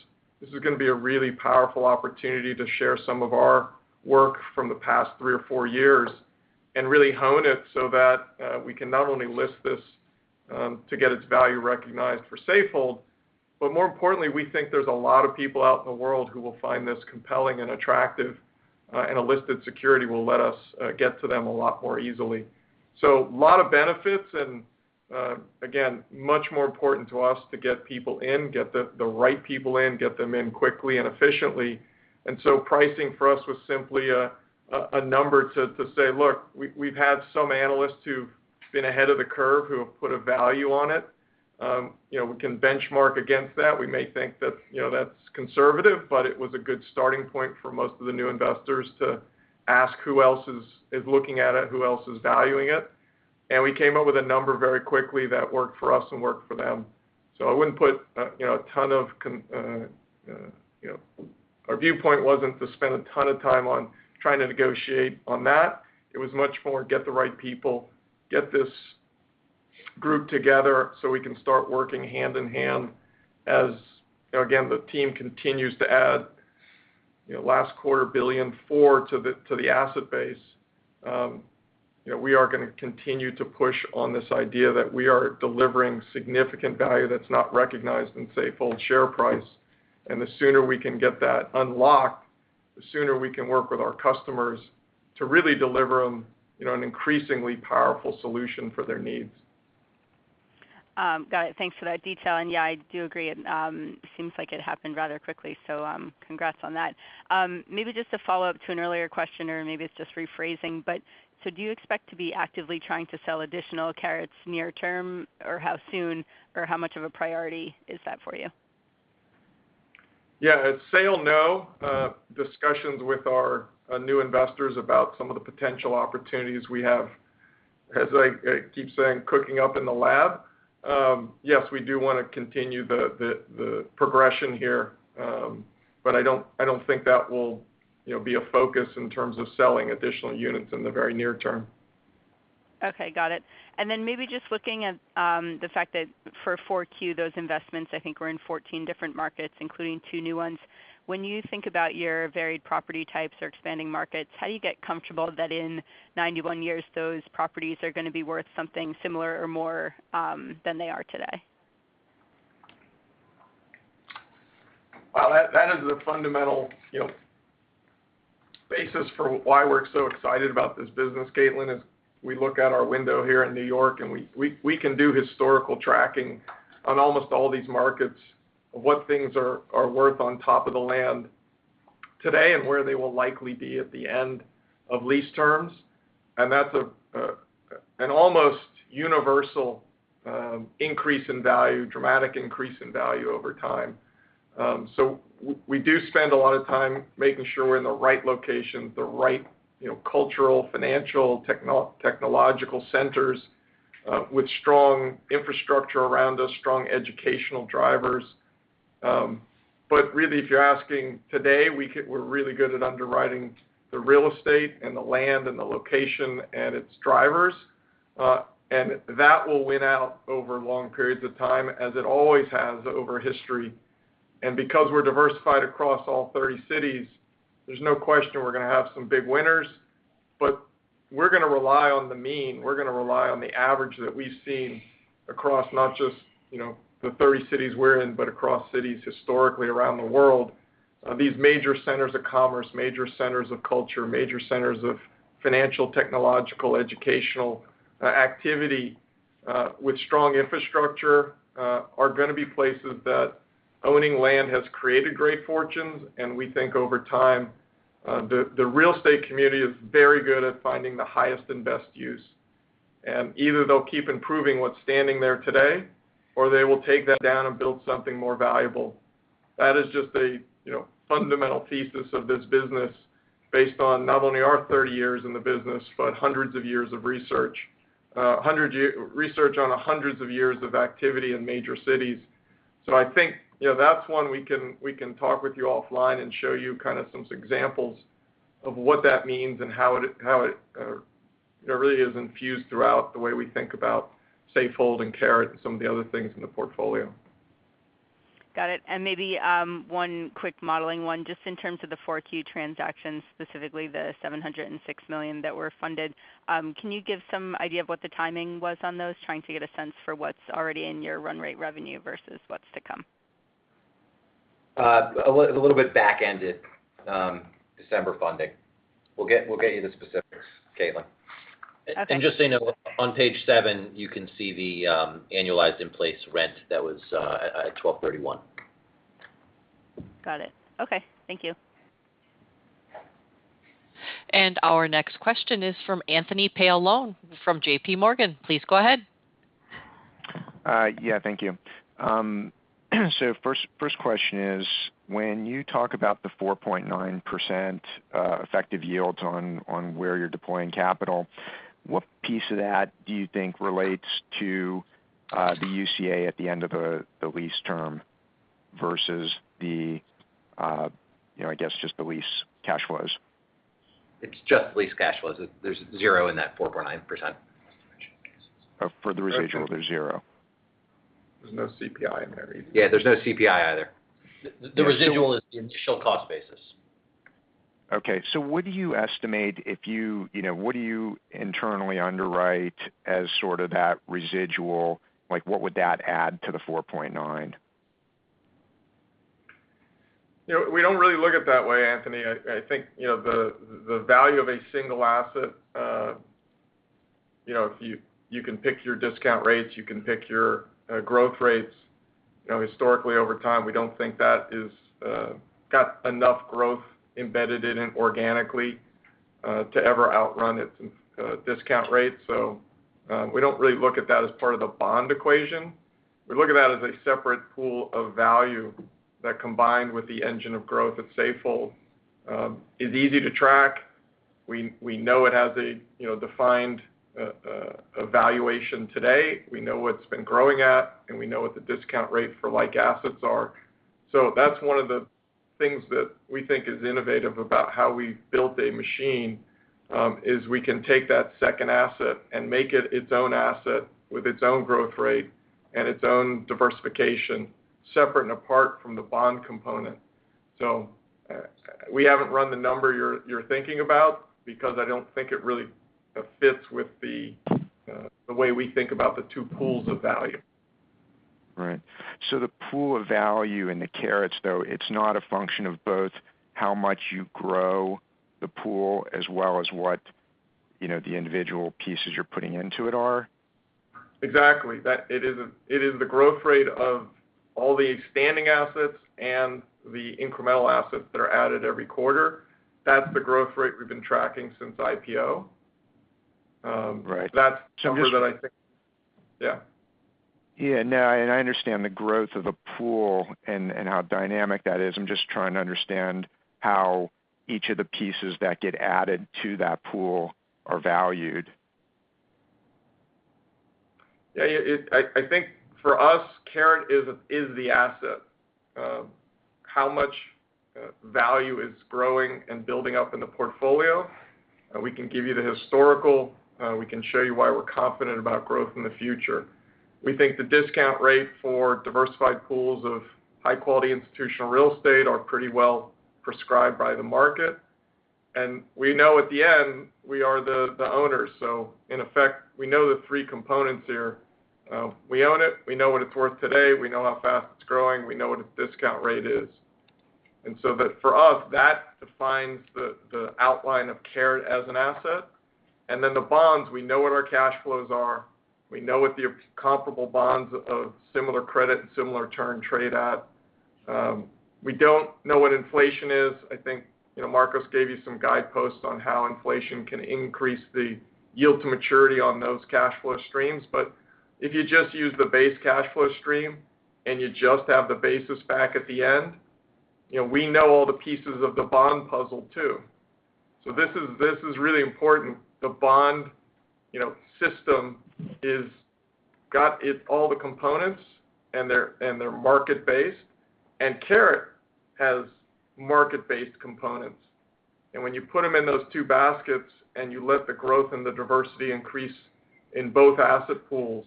C: This is gonna be a really powerful opportunity to share some of our work from the past three or four years and really hone it so that we can not only list this to get its value recognized for Safehold, but more importantly, we think there's a lot of people out in the world who will find this compelling and attractive, and a listed security will let us get to them a lot more easily. A lot of benefits, and again, much more important to us to get people in, get the right people in, get them in quickly and efficiently. Pricing for us was simply a number to say, look, we've had some analysts who've been ahead of the curve, who have put a value on it. You know, we can benchmark against that. We may think that, you know, that's conservative, but it was a good starting point for most of the new investors to ask who else is looking at it, who else is valuing it. We came up with a number very quickly that worked for us and worked for them. Our viewpoint wasn't to spend a ton of time on trying to negotiate on that. It was much more get the right people, get this group together so we can start working hand in hand as, you know, again, the team continues to add, you know, last quarter $1.4 billion to the asset base. You know, we are gonna continue to push on this idea that we are delivering significant value that's not recognized in Safehold's share price. The sooner we can get that unlocked, the sooner we can work with our customers to really deliver them, you know, an increasingly powerful solution for their needs.
K: Got it. Thanks for that detail. Yeah, I do agree. Seems like it happened rather quickly, congrats on that. Maybe just a follow-up to an earlier question, or maybe it's just rephrasing, but do you expect to be actively trying to sell additional Carets near term, or how soon, or how much of a priority is that for you?
C: Yeah. At sale, no. Discussions with our new investors about some of the potential opportunities we have, as I keep saying, cooking up in the lab. Yes, we do wanna continue the progression here. But I don't think that will, you know, be a focus in terms of selling additional units in the very near term.
K: Okay. Got it. Maybe just looking at the fact that for 4Q, those investments, I think, were in 14 different markets, including two new ones. When you think about your varied property types or expanding markets, how do you get comfortable that in 91 years, those properties are gonna be worth something similar or more than they are today?
C: That is the fundamental, you know, basis for why we're so excited about this business, Caitlin, is we look out our window here in New York, and we can do historical tracking on almost all these markets of what things are worth on top of the land today and where they will likely be at the end of lease terms. That's an almost universal increase in value, dramatic increase in value over time. So we do spend a lot of time making sure we're in the right location, the right, you know, cultural, financial, technological centers, with strong infrastructure around us, strong educational drivers. But really, if you're asking today, we're really good at underwriting the real estate and the land and the location and its drivers. That will win out over long periods of time as it always has over history. Because we're diversified across all 30 cities, there's no question we're gonna have some big winners. We're gonna rely on the mean, we're gonna rely on the average that we've seen across not just, you know, the 30 cities we're in, but across cities historically around the world. These major centers of commerce, major centers of culture, major centers of financial, technological, educational activity, with strong infrastructure, are gonna be places that owning land has created great fortunes. We think over time, the real estate community is very good at finding the highest and best use. Either they'll keep improving what's standing there today, or they will take that down and build something more valuable. That is just a you know fundamental thesis of this business based on not only our 30 years in the business, but hundreds of years of research. Research on hundreds of years of activity in major cities. I think, you know, that's one we can talk with you offline and show you kind of some examples of what that means and how it really is infused throughout the way we think about Safehold and Caret and some of the other things in the portfolio.
K: Got it. Maybe one quick modeling one, just in terms of the 4Q transactions, specifically the $706 million that were funded. Can you give some idea of what the timing was on those? Trying to get a sense for what's already in your run rate revenue versus what's to come.
J: A little bit back-ended December funding. We'll get you the specifics, Caitlin.
K: Okay.
B: Just so you know, on page seven, you can see the annualized in-place rent that was at $1,231.
K: Got it. Okay. Thank you.
A: Our next question is from Anthony Paolone from J.P. Morgan. Please go ahead.
L: Yeah, thank you. So first question is, when you talk about the 4.9% effective yield on where you're deploying capital, what piece of that do you think relates to the UCA at the end of the lease term versus the you know, I guess just the lease cash flows?
J: It's just lease cash flows. There's zero in that 4.9%.
L: Oh, for the residual, there's zero.
C: There's no CPI in there either.
J: Yeah, there's no CPI either. The residual is the initial cost basis.
L: What do you estimate? You know, what do you internally underwrite as sort of that residual? Like, what would that add to the $4.9?
C: You know, we don't really look at it that way, Anthony. I think, you know, the value of a single asset, you know, if you can pick your discount rates, you can pick your growth rates. You know, historically, over time, we don't think that it's got enough growth embedded in it organically to ever outrun its discount rate. So, we don't really look at that as part of the bond equation. We look at that as a separate pool of value that combined with the engine of growth at Safehold is easy to track. We know it has a you know defined valuation today. We know what it's been growing at, and we know what the discount rate for like assets are. That's one of the things that we think is innovative about how we built a machine is we can take that second asset and make it its own asset with its own growth rate and its own diversification separate and apart from the bond component. We haven't run the number you're thinking about because I don't think it really fits with the way we think about the two pools of value.
L: Right. The pool of value in the Caret, though, it's not a function of both how much you grow the pool as well as what, you know, the individual pieces you're putting into it are?
C: Exactly. It is the growth rate of all the standing assets and the incremental assets that are added every quarter. That's the growth rate we've been tracking since IPO.
L: Right.
C: That's something that I think. Yeah.
L: Yeah, no, I understand the growth of the pool and how dynamic that is. I'm just trying to understand how each of the pieces that get added to that pool are valued.
C: Yeah, yeah. I think for us, Caret is the asset. How much value is growing and building up in the portfolio. We can give you the historical. We can show you why we're confident about growth in the future. We think the discount rate for diversified pools of high-quality institutional real estate are pretty well prescribed by the market. We know at the end, we are the owners. So in effect, we know the three components here. We own it, we know what it's worth today, we know how fast it's growing, we know what its discount rate is. That for us, that defines the outline of Caret as an asset. The bonds, we know what our cash flows are. We know what the comparable bonds of similar credit and similar term trade at. We don't know what inflation is. I think, you know, Marcos gave you some guideposts on how inflation can increase the yield to maturity on those cash flow streams. If you just use the base cash flow stream, and you just have the basis back at the end, you know, we know all the pieces of the bond puzzle too. This is really important. The bond system is got all the components, and they're market-based, and Caret has market-based components. When you put them in those two baskets and you let the growth and the diversity increase in both asset pools,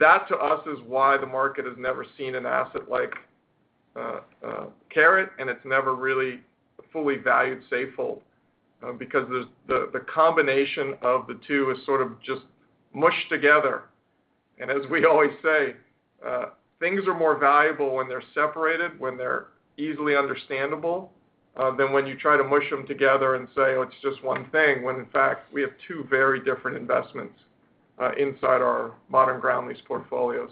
C: that to us is why the market has never seen an asset like Caret, and it's never really fully valued SAFE. Because the combination of the two is sort of just mushed together. As we always say, things are more valuable when they're separated, when they're easily understandable, than when you try to mush them together and say, "Oh, it's just one thing," when in fact, we have two very different investments inside our modern ground lease portfolio.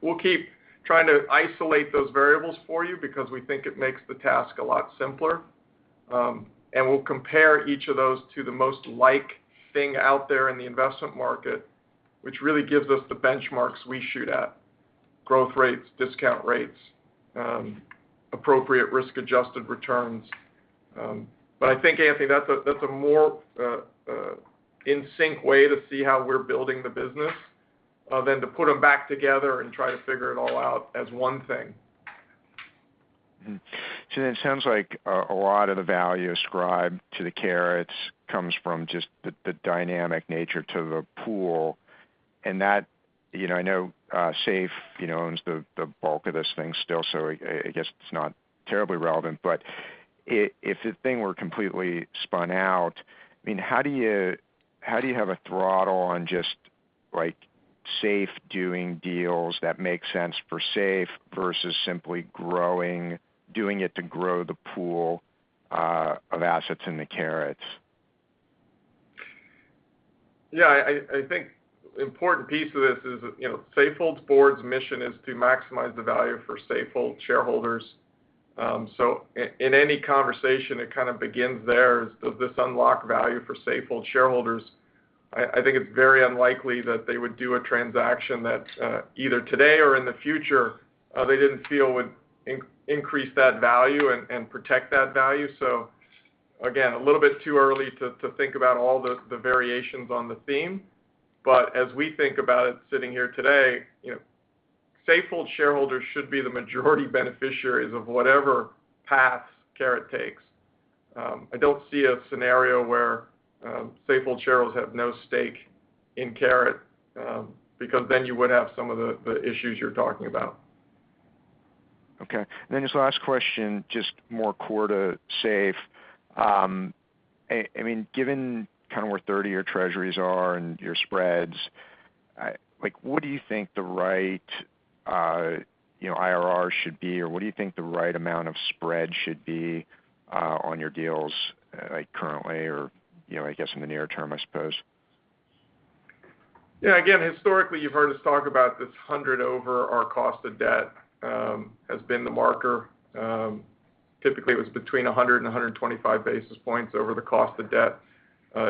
C: We'll keep trying to isolate those variables for you because we think it makes the task a lot simpler. We'll compare each of those to the most like thing out there in the investment market, which really gives us the benchmarks we shoot at. Growth rates, discount rates, appropriate risk-adjusted returns. I think, Anthony, that's a more in sync way to see how we're building the business than to put them back together and try to figure it all out as one thing.
L: It sounds like a lot of the value ascribed to the Carets comes from just the dynamic nature of the pool. That, you know, I know SAFE, you know, owns the bulk of this thing still, so I guess it's not terribly relevant. If the thing were completely spun out, I mean, how do you have a throttle on just, like, SAFE doing deals that make sense for SAFE versus simply growing, doing it to grow the pool of assets in the Carets?
C: Yeah, I think important piece of this is, you know, Safehold's board's mission is to maximize the value for Safehold shareholders. In any conversation, it kind of begins there, is does this unlock value for Safehold shareholders? I think it's very unlikely that they would do a transaction that, either today or in the future, they didn't feel would increase that value and protect that value. So again, a little bit too early to think about all the variations on the theme. As we think about it sitting here today, you know, Safehold shareholders should be the majority beneficiaries of whatever paths Caret takes. I don't see a scenario where Safehold shareholders have no stake in Caret, because then you would have some of the issues you're talking about.
L: Okay. This last question, just more core to SAFE. I mean, given kind of where 30-year treasuries are and your spreads, like, what do you think the right, you know, IRRs should be, or what do you think the right amount of spread should be, on your deals, like currently or, you know, I guess in the near term, I suppose?
C: Yeah. Again, historically, you've heard us talk about this 100 over our cost of debt has been the marker. Typically it was between 100 and 125 basis points over the cost of debt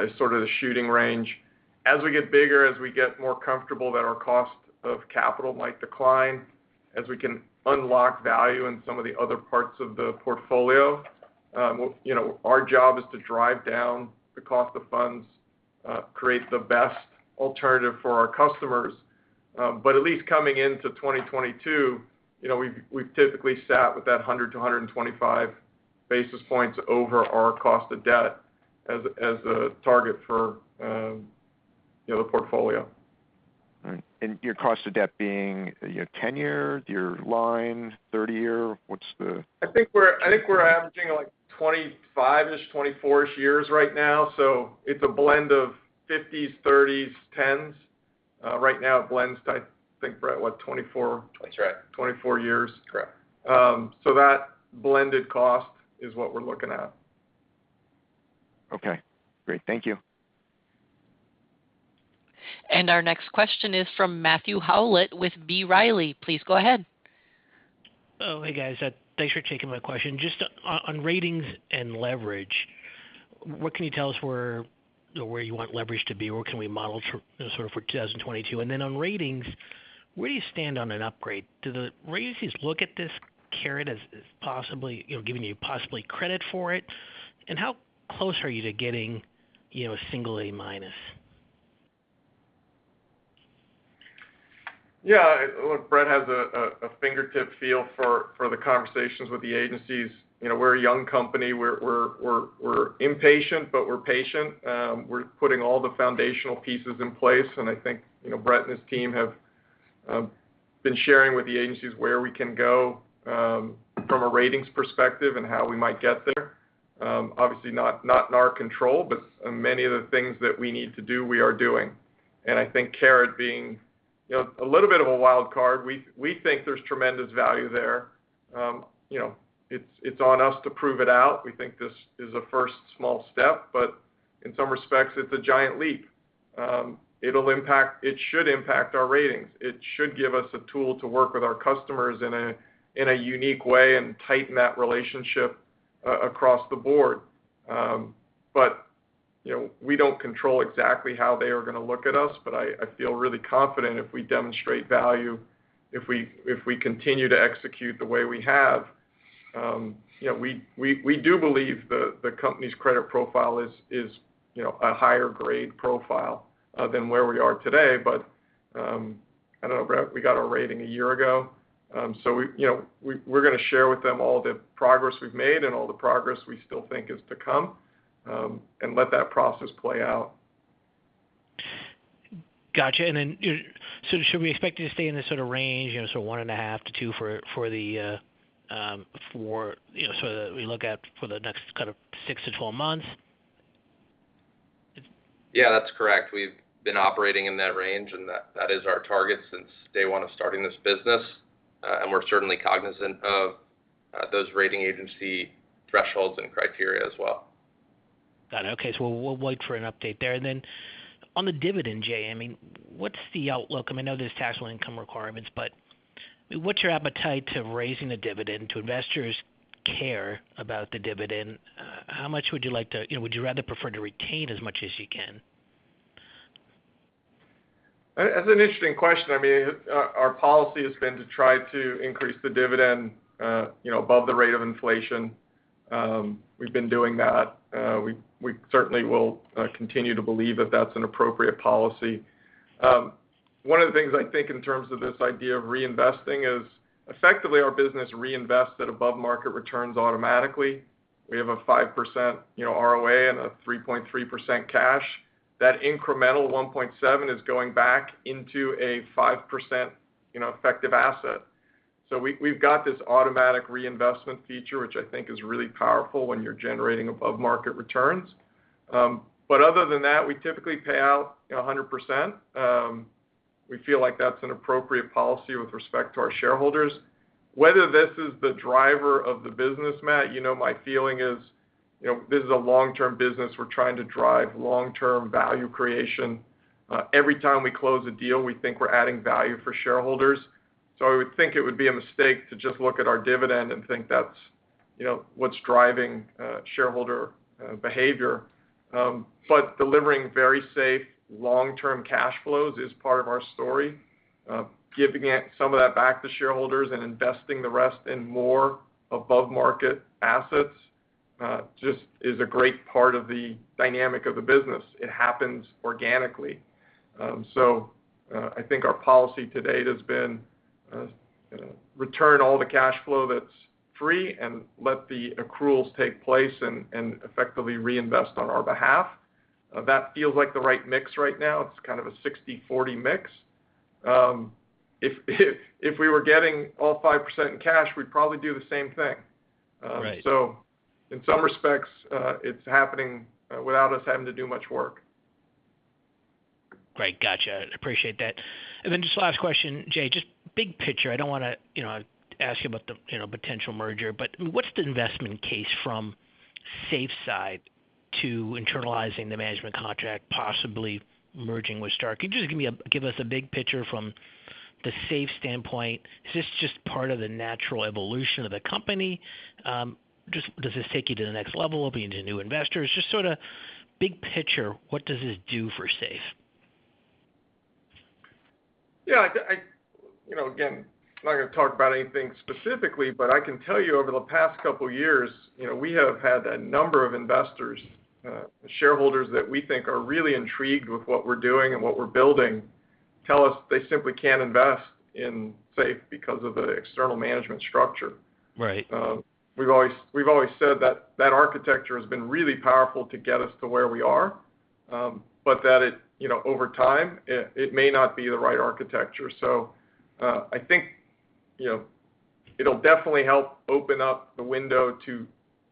C: is sort of the shooting range. As we get bigger, as we get more comfortable that our cost of capital might decline, as we can unlock value in some of the other parts of the portfolio, you know, our job is to drive down the cost of funds, create the best alternative for our customers. At least coming into 2022, you know, we've typically sat with that 100-125 basis points over our cost of debt as a target for, you know, the portfolio.
L: All right. Your cost of debt being, you know, 10-year, your line, 30-year? What's the-
C: I think we're averaging, like, 25-ish, 24-ish years right now. So it's a blend of 50s, 30s, 10s. Right now it blends, I think, Brett, what, 24?
J: That's right.
C: 24 years.
J: Correct.
C: That blended cost is what we're looking at.
L: Okay, great. Thank you.
A: Our next question is from Matthew Howlett with B. Riley. Please go ahead.
M: Oh, hey, guys. Thanks for taking my question. Just on ratings and leverage, what can you tell us where, you know, where you want leverage to be, or can we model for, sort of for 2022? Then on ratings, where do you stand on an upgrade? Do the ratings look at this Caret as possibly, you know, giving you possibly credit for it? How close are you to getting, you know, a single A-minus?
C: Yeah. Look, Brett has a fingertip feel for the conversations with the agencies. You know, we're a young company. We're impatient, but we're patient. We're putting all the foundational pieces in place, and I think, you know, Brett and his team have been sharing with the agencies where we can go from a ratings perspective and how we might get there. Obviously not in our control, but many of the things that we need to do, we are doing. I think Caret being, you know, a little bit of a wild card, we think there's tremendous value there. You know, it's on us to prove it out. We think this is a first small step, but in some respects, it's a giant leap. It should impact our ratings. It should give us a tool to work with our customers in a unique way and tighten that relationship across the board. You know, we don't control exactly how they are gonna look at us, but I feel really confident if we demonstrate value, if we continue to execute the way we have. You know, we do believe the company's credit profile is a higher grade profile than where we are today. I don't know, Brett, we got our rating a year ago, so you know, we're gonna share with them all the progress we've made and all the progress we still think is to come, and let that process play out.
M: Got you. Should we expect you to stay in this sort of range, you know, so 1.5-2 for the, you know, so that we look at for the next kind of 6-12 months?
C: Yeah, that's correct. We've been operating in that range, and that is our target since day one of starting this business, and we're certainly cognizant of those rating agency thresholds and criteria as well.
M: Got it. Okay. We'll wait for an update there. On the dividend, Jay, I mean, what's the outlook? I mean, I know there's taxable income requirements, but what's your appetite to raising the dividend? Do investors care about the dividend? How much would you like to, you know, would you rather prefer to retain as much as you can?
C: That's an interesting question. I mean, our policy has been to try to increase the dividend, you know, above the rate of inflation. We've been doing that. We certainly will continue to believe that that's an appropriate policy. One of the things I think in terms of this idea of reinvesting is effectively our business reinvests at above market returns automatically. We have a 5%, you know, ROA and a 3.3% cash. That incremental 1.7 is going back into a 5%, you know, effective asset. We've got this automatic reinvestment feature, which I think is really powerful when you're generating above market returns. Other than that, we typically pay out 100%, we feel like that's an appropriate policy with respect to our shareholders. Whether this is the driver of the business, Matt, you know, my feeling is, you know, this is a long-term business. We're trying to drive long-term value creation. Every time we close a deal, we think we're adding value for shareholders. I would think it would be a mistake to just look at our dividend and think that's, you know, what's driving shareholder behavior. Delivering very safe long-term cash flows is part of our story. Giving some of that back to shareholders and investing the rest in more above market assets just is a great part of the dynamic of the business. It happens organically. I think our policy to date has been return all the cash flow that's free and let the accruals take place and effectively reinvest on our behalf. That feels like the right mix right now. It's kind of a 60/40 mix. If we were getting all 5% in cash, we'd probably do the same thing.
M: Right.
C: In some respects, it's happening without us having to do much work.
M: Great. Got you. Appreciate that. Then just last question, Jay, just big picture. I don't wanna, you know, ask you about the, you know, potential merger, but what's the investment case from SAFE side to internalizing the management contract, possibly merging with iStar? Could you just give us a big picture from the SAFE standpoint? Is this just part of the natural evolution of the company? Just does this take you to the next level? Will you be into new investors? Just sort of big picture, what does this do for SAFE?
C: Yeah, I. You know, again, I'm not gonna talk about anything specifically, but I can tell you over the past couple of years, you know, we have had a number of investors, shareholders that we think are really intrigued with what we're doing and what we're building, tell us they simply can't invest in SAFE because of the external management structure.
M: Right.
C: We've always said that architecture has been really powerful to get us to where we are, but that it, you know, over time, it may not be the right architecture. I think, you know, it'll definitely help open up the window to,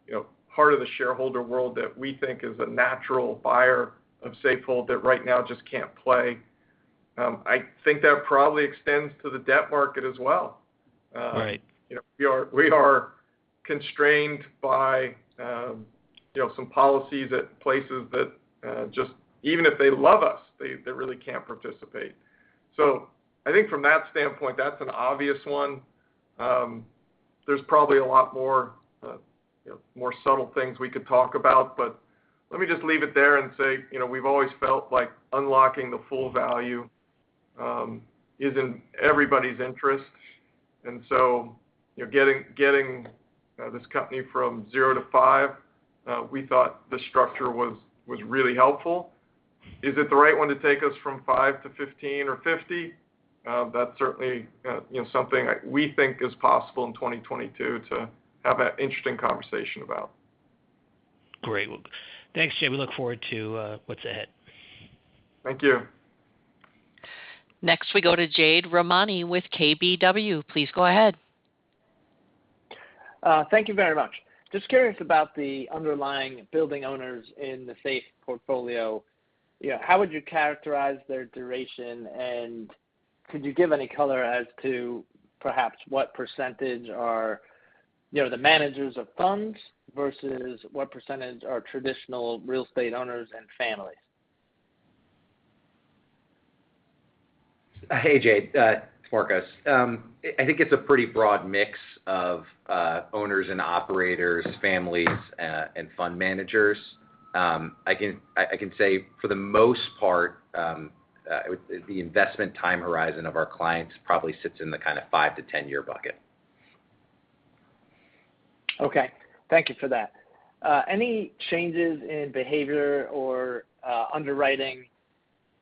C: you know, part of the shareholder world that we think is a natural buyer of Safehold that right now just can't play. I think that probably extends to the debt market as well.
M: Right.
C: You know, we are constrained by, you know, some policies at places that, just even if they love us, they really can't participate. So I think from that standpoint, that's an obvious one. There's probably a lot more, you know, more subtle things we could talk about, but let me just leave it there and say, you know, we've always felt like unlocking the full value is in everybody's interest. You know, getting this company from zero to five, we thought the structure was really helpful. Is it the right one to take us from 5 to 15 or 50? That's certainly, you know, something we think is possible in 2022 to have an interesting conversation about.
J: Great. Well, thanks, Jay. We look forward to what's ahead.
C: Thank you.
A: Next, we go to Jade Rahmani with KBW. Please go ahead.
N: Thank you very much. Just curious about the underlying building owners in the SAFE portfolio. You know, how would you characterize their duration? And could you give any color as to perhaps what percentage are, you know, the managers of funds versus what percentage are traditional real estate owners and families?
D: Hey, Jade, it's Marcos. I think it's a pretty broad mix of owners and operators, families, and fund managers. I can say for the most part, the investment time horizon of our clients probably sits in the kind of 5-10-year bucket.
N: Okay. Thank you for that. Any changes in behavior or underwriting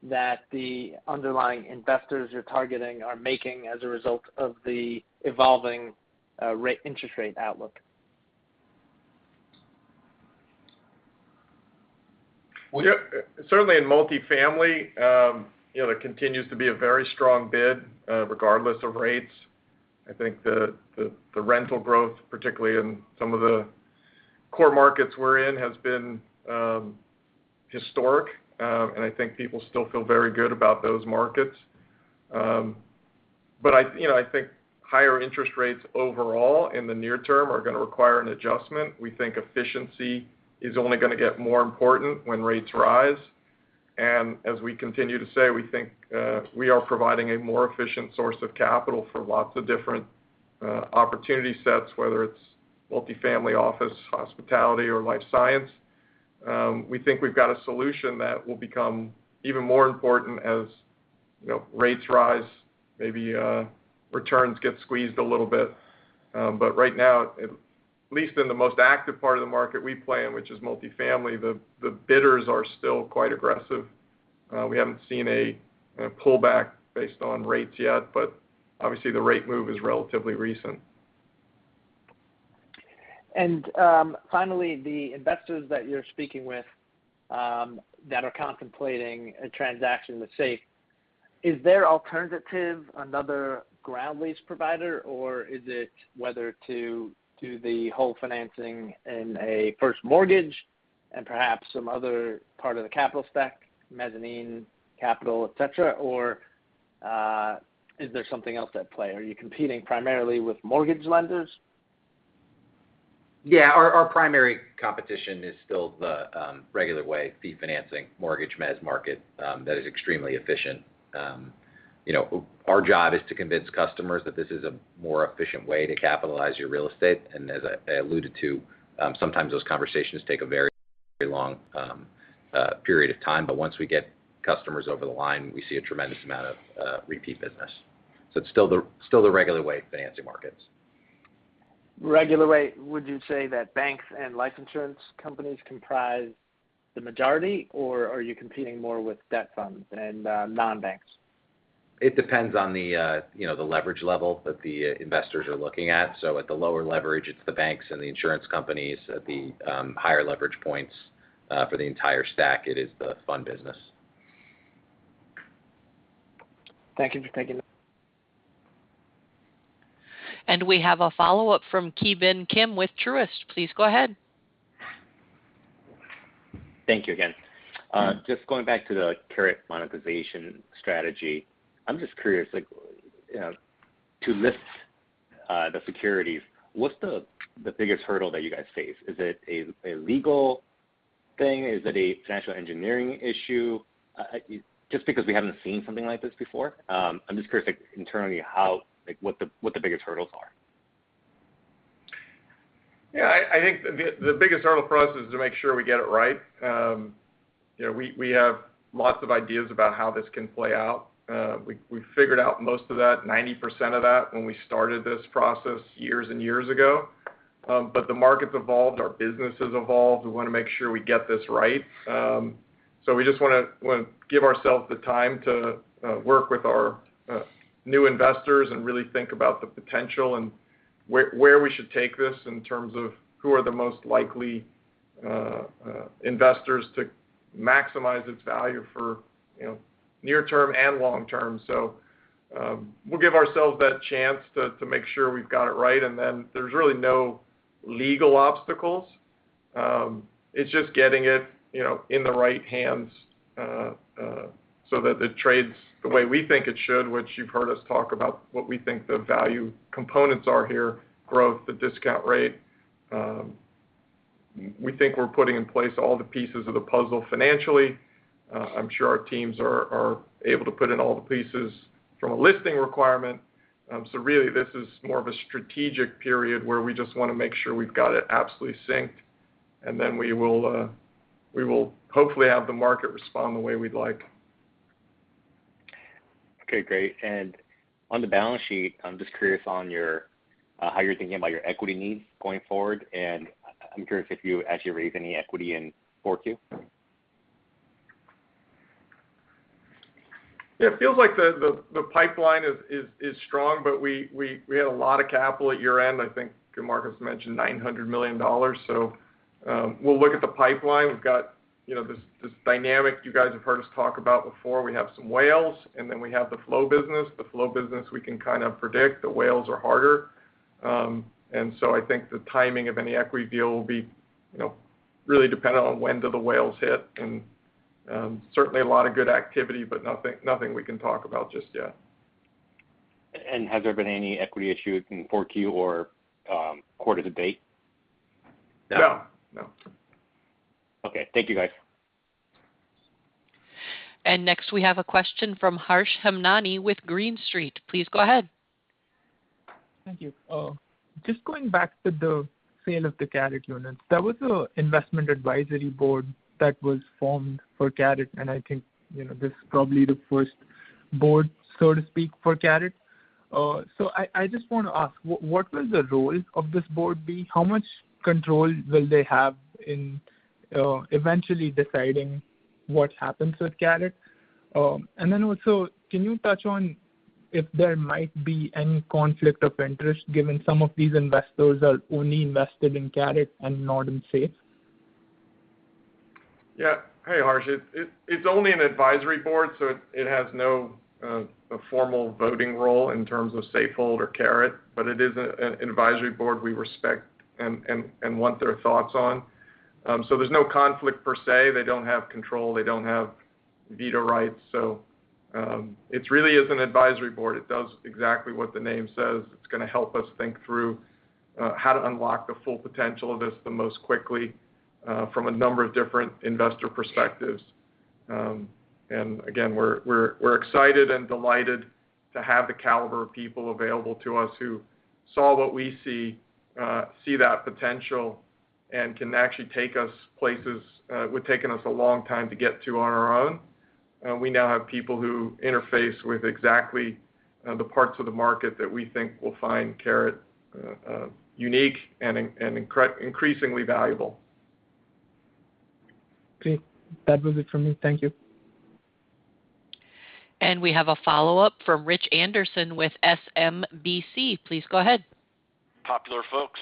N: that the underlying investors you're targeting are making as a result of the evolving interest rate outlook?
C: Well, yeah, certainly in multifamily, you know, there continues to be a very strong bid, regardless of rates. I think the rental growth, particularly in some of the core markets we're in, has been historic. I think people still feel very good about those markets. I, you know, I think higher interest rates overall in the near term are gonna require an adjustment. We think efficiency is only gonna get more important when rates rise. As we continue to say, we think we are providing a more efficient source of capital for lots of different opportunity sets, whether it's multifamily office, hospitality, or life science. We think we've got a solution that will become even more important as, you know, rates rise, maybe returns get squeezed a little bit. Right now, at least in the most active part of the market we play in, which is multifamily, the bidders are still quite aggressive. We haven't seen a pullback based on rates yet, but obviously the rate move is relatively recent.
N: Finally, the investors that you're speaking with that are contemplating a transaction with SAFE, is there alternative, another ground lease provider, or is it whether to do the whole financing in a first mortgage and perhaps some other part of the capital stack, mezzanine capital, et cetera? Or, is there something else at play? Are you competing primarily with mortgage lenders?
D: Yeah. Our primary competition is still the regular way, the financing mortgage mezz market, that is extremely efficient. You know, our job is to convince customers that this is a more efficient way to capitalize your real estate. As I alluded to, sometimes those conversations take a very long period of time. Once we get customers over the line, we see a tremendous amount of repeat business. It's still the regular way financing markets.
N: Regular way, would you say that banks and life insurance companies comprise the majority, or are you competing more with debt funds and non-banks?
D: It depends on the you know the leverage level that the investors are looking at. At the lower leverage, it's the banks and the insurance companies. At the higher leverage points, for the entire stack, it is the fund business.
N: Thank you. Thank you.
A: We have a follow-up from Ki Bin Kim with Truist. Please go ahead.
G: Thank you again. Just going back to the Caret monetization strategy. I'm just curious, like, to list the securities, what's the biggest hurdle that you guys face? Is it a legal thing? Is it a financial engineering issue? Just because we haven't seen something like this before, I'm just curious, like, internally, like what the biggest hurdles are.
C: Yeah, I think the biggest hurdle for us is to make sure we get it right. You know, we have lots of ideas about how this can play out. We figured out most of that, 90% of that when we started this process years and years ago. The market's evolved, our business has evolved. We wanna make sure we get this right. We just wanna give ourselves the time to work with our new investors and really think about the potential, and where we should take this in terms of who are the most likely investors to maximize its value for, you know, near term and long term. We'll give ourselves that chance to make sure we've got it right, and then there's really no legal obstacles. It's just getting it, you know, in the right hands, so that it trades the way we think it should, which you've heard us talk about what we think the value components are here, growth, the discount rate. We think we're putting in place all the pieces of the puzzle financially. I'm sure our teams are able to put in all the pieces from a listing requirement. Really this is more of a strategic period where we just wanna make sure we've got it absolutely synced, and then we will hopefully have the market respond the way we'd like.
G: Okay, great. On the balance sheet, I'm just curious on your how you're thinking about your equity needs going forward. I'm curious if you actually raised any equity in 4Q.
C: Yeah, it feels like the pipeline is strong, but we had a lot of capital at year-end. I think Marcos mentioned $900 million. We'll look at the pipeline. We've got, you know, this dynamic you guys have heard us talk about before. We have some whales, and then we have the flow business. The flow business we can kind of predict. The whales are harder. I think the timing of any equity deal will be, you know, really dependent on when the whales hit. Certainly a lot of good activity, but nothing we can talk about just yet.
G: Has there been any equity issues in 4Q or quarter to date?
C: No.
D: No.
C: No.
G: Okay. Thank you, guys.
A: Next, we have a question from Harsh Hemnani with Green Street. Please go ahead.
O: Thank you. Just going back to the sale of the Caret units. There was an investment advisory board that was formed for Caret, and I think, you know, this is probably the first board, so to speak, for Caret. I just wanna ask, what will the role of this board be? How much control will they have in eventually deciding what happens with Caret? And then also, can you touch on if there might be any conflict of interest given some of these investors are only invested in Caret and not in SAFE?
C: Yeah. Hey, Harsh. It's only an advisory board, so it has no formal voting role in terms of Safehold or Caret, but it is an advisory board we respect and want their thoughts on. So there's no conflict per se. They don't have control. They don't have veto rights. So it's really an advisory board. It does exactly what the name says. It's gonna help us think through how to unlock the full potential of this most quickly from a number of different investor perspectives. And again, we're excited and delighted to have the caliber of people available to us who saw what we see that potential and can actually take us places would've taken us a long time to get to on our own. We now have people who interface with exactly the parts of the market that we think will find Caret unique and increasingly valuable.
O: Okay. That was it for me. Thank you.
A: We have a follow-up from Rich Anderson with SMBC. Please go ahead.
F: Operator, folks.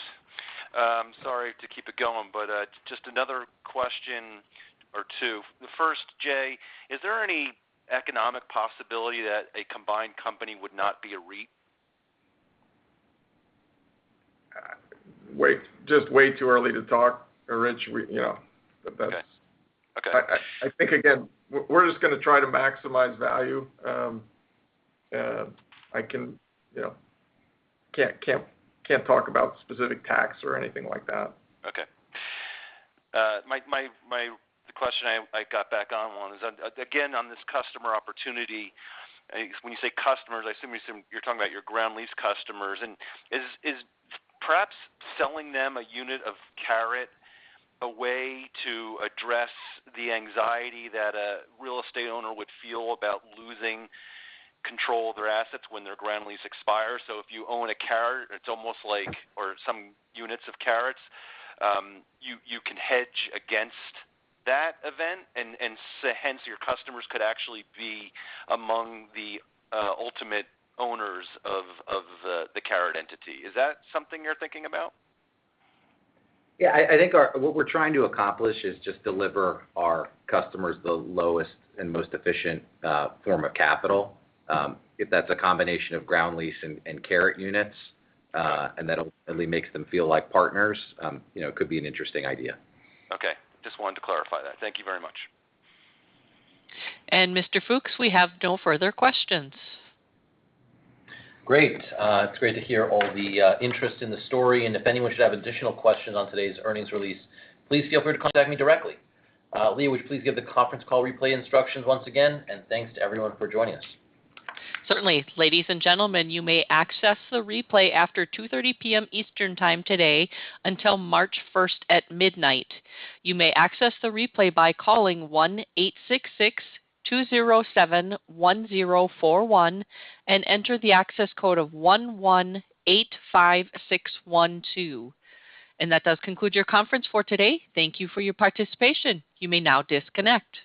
F: Sorry to keep it going, but just another question or two. The first, Jay, is there any economic possibility that a combined company would not be a REIT?
C: Just way too early to talk, Rich. We, you know, but that's.
F: Okay. Okay.
C: I think again, we're just gonna try to maximize value. I, you know, can't talk about specific tax or anything like that.
F: Okay. The question I got back on was, again, on this customer opportunity, when you say customers, I assume you're saying, you're talking about your ground lease customers. Is perhaps selling them a unit of Caret a way to address the anxiety that a real estate owner would feel about losing control of their assets when their ground lease expires? If you own a Caret, it's almost like, or some units of Carets, you can hedge against that event and hence your customers could actually be among the ultimate owners of the Caret entity. Is that something you're thinking about?
D: Yeah. I think what we're trying to accomplish is just to deliver to our customers the lowest and most efficient form of capital. If that's a combination of ground lease and Caret units, and it makes them feel like partners, you know, it could be an interesting idea.
F: Okay. Just wanted to clarify that. Thank you very much.
A: Mr. Fooks, we have no further questions.
B: Great. It's great to hear all the interest in the story. If anyone should have additional questions on today's earnings release, please feel free to contact me directly. Leah, would you please give the conference call replay instructions once again, and thanks to everyone for joining us.
A: Certainly. Ladies and gentlemen, you may access the replay after 2:30 P.M. Eastern time today until March 1 at midnight. You may access the replay by calling 1-866-207-1041 and enter the access code of 1185612. That does conclude your conference for today. Thank you for your participation. You may now disconnect.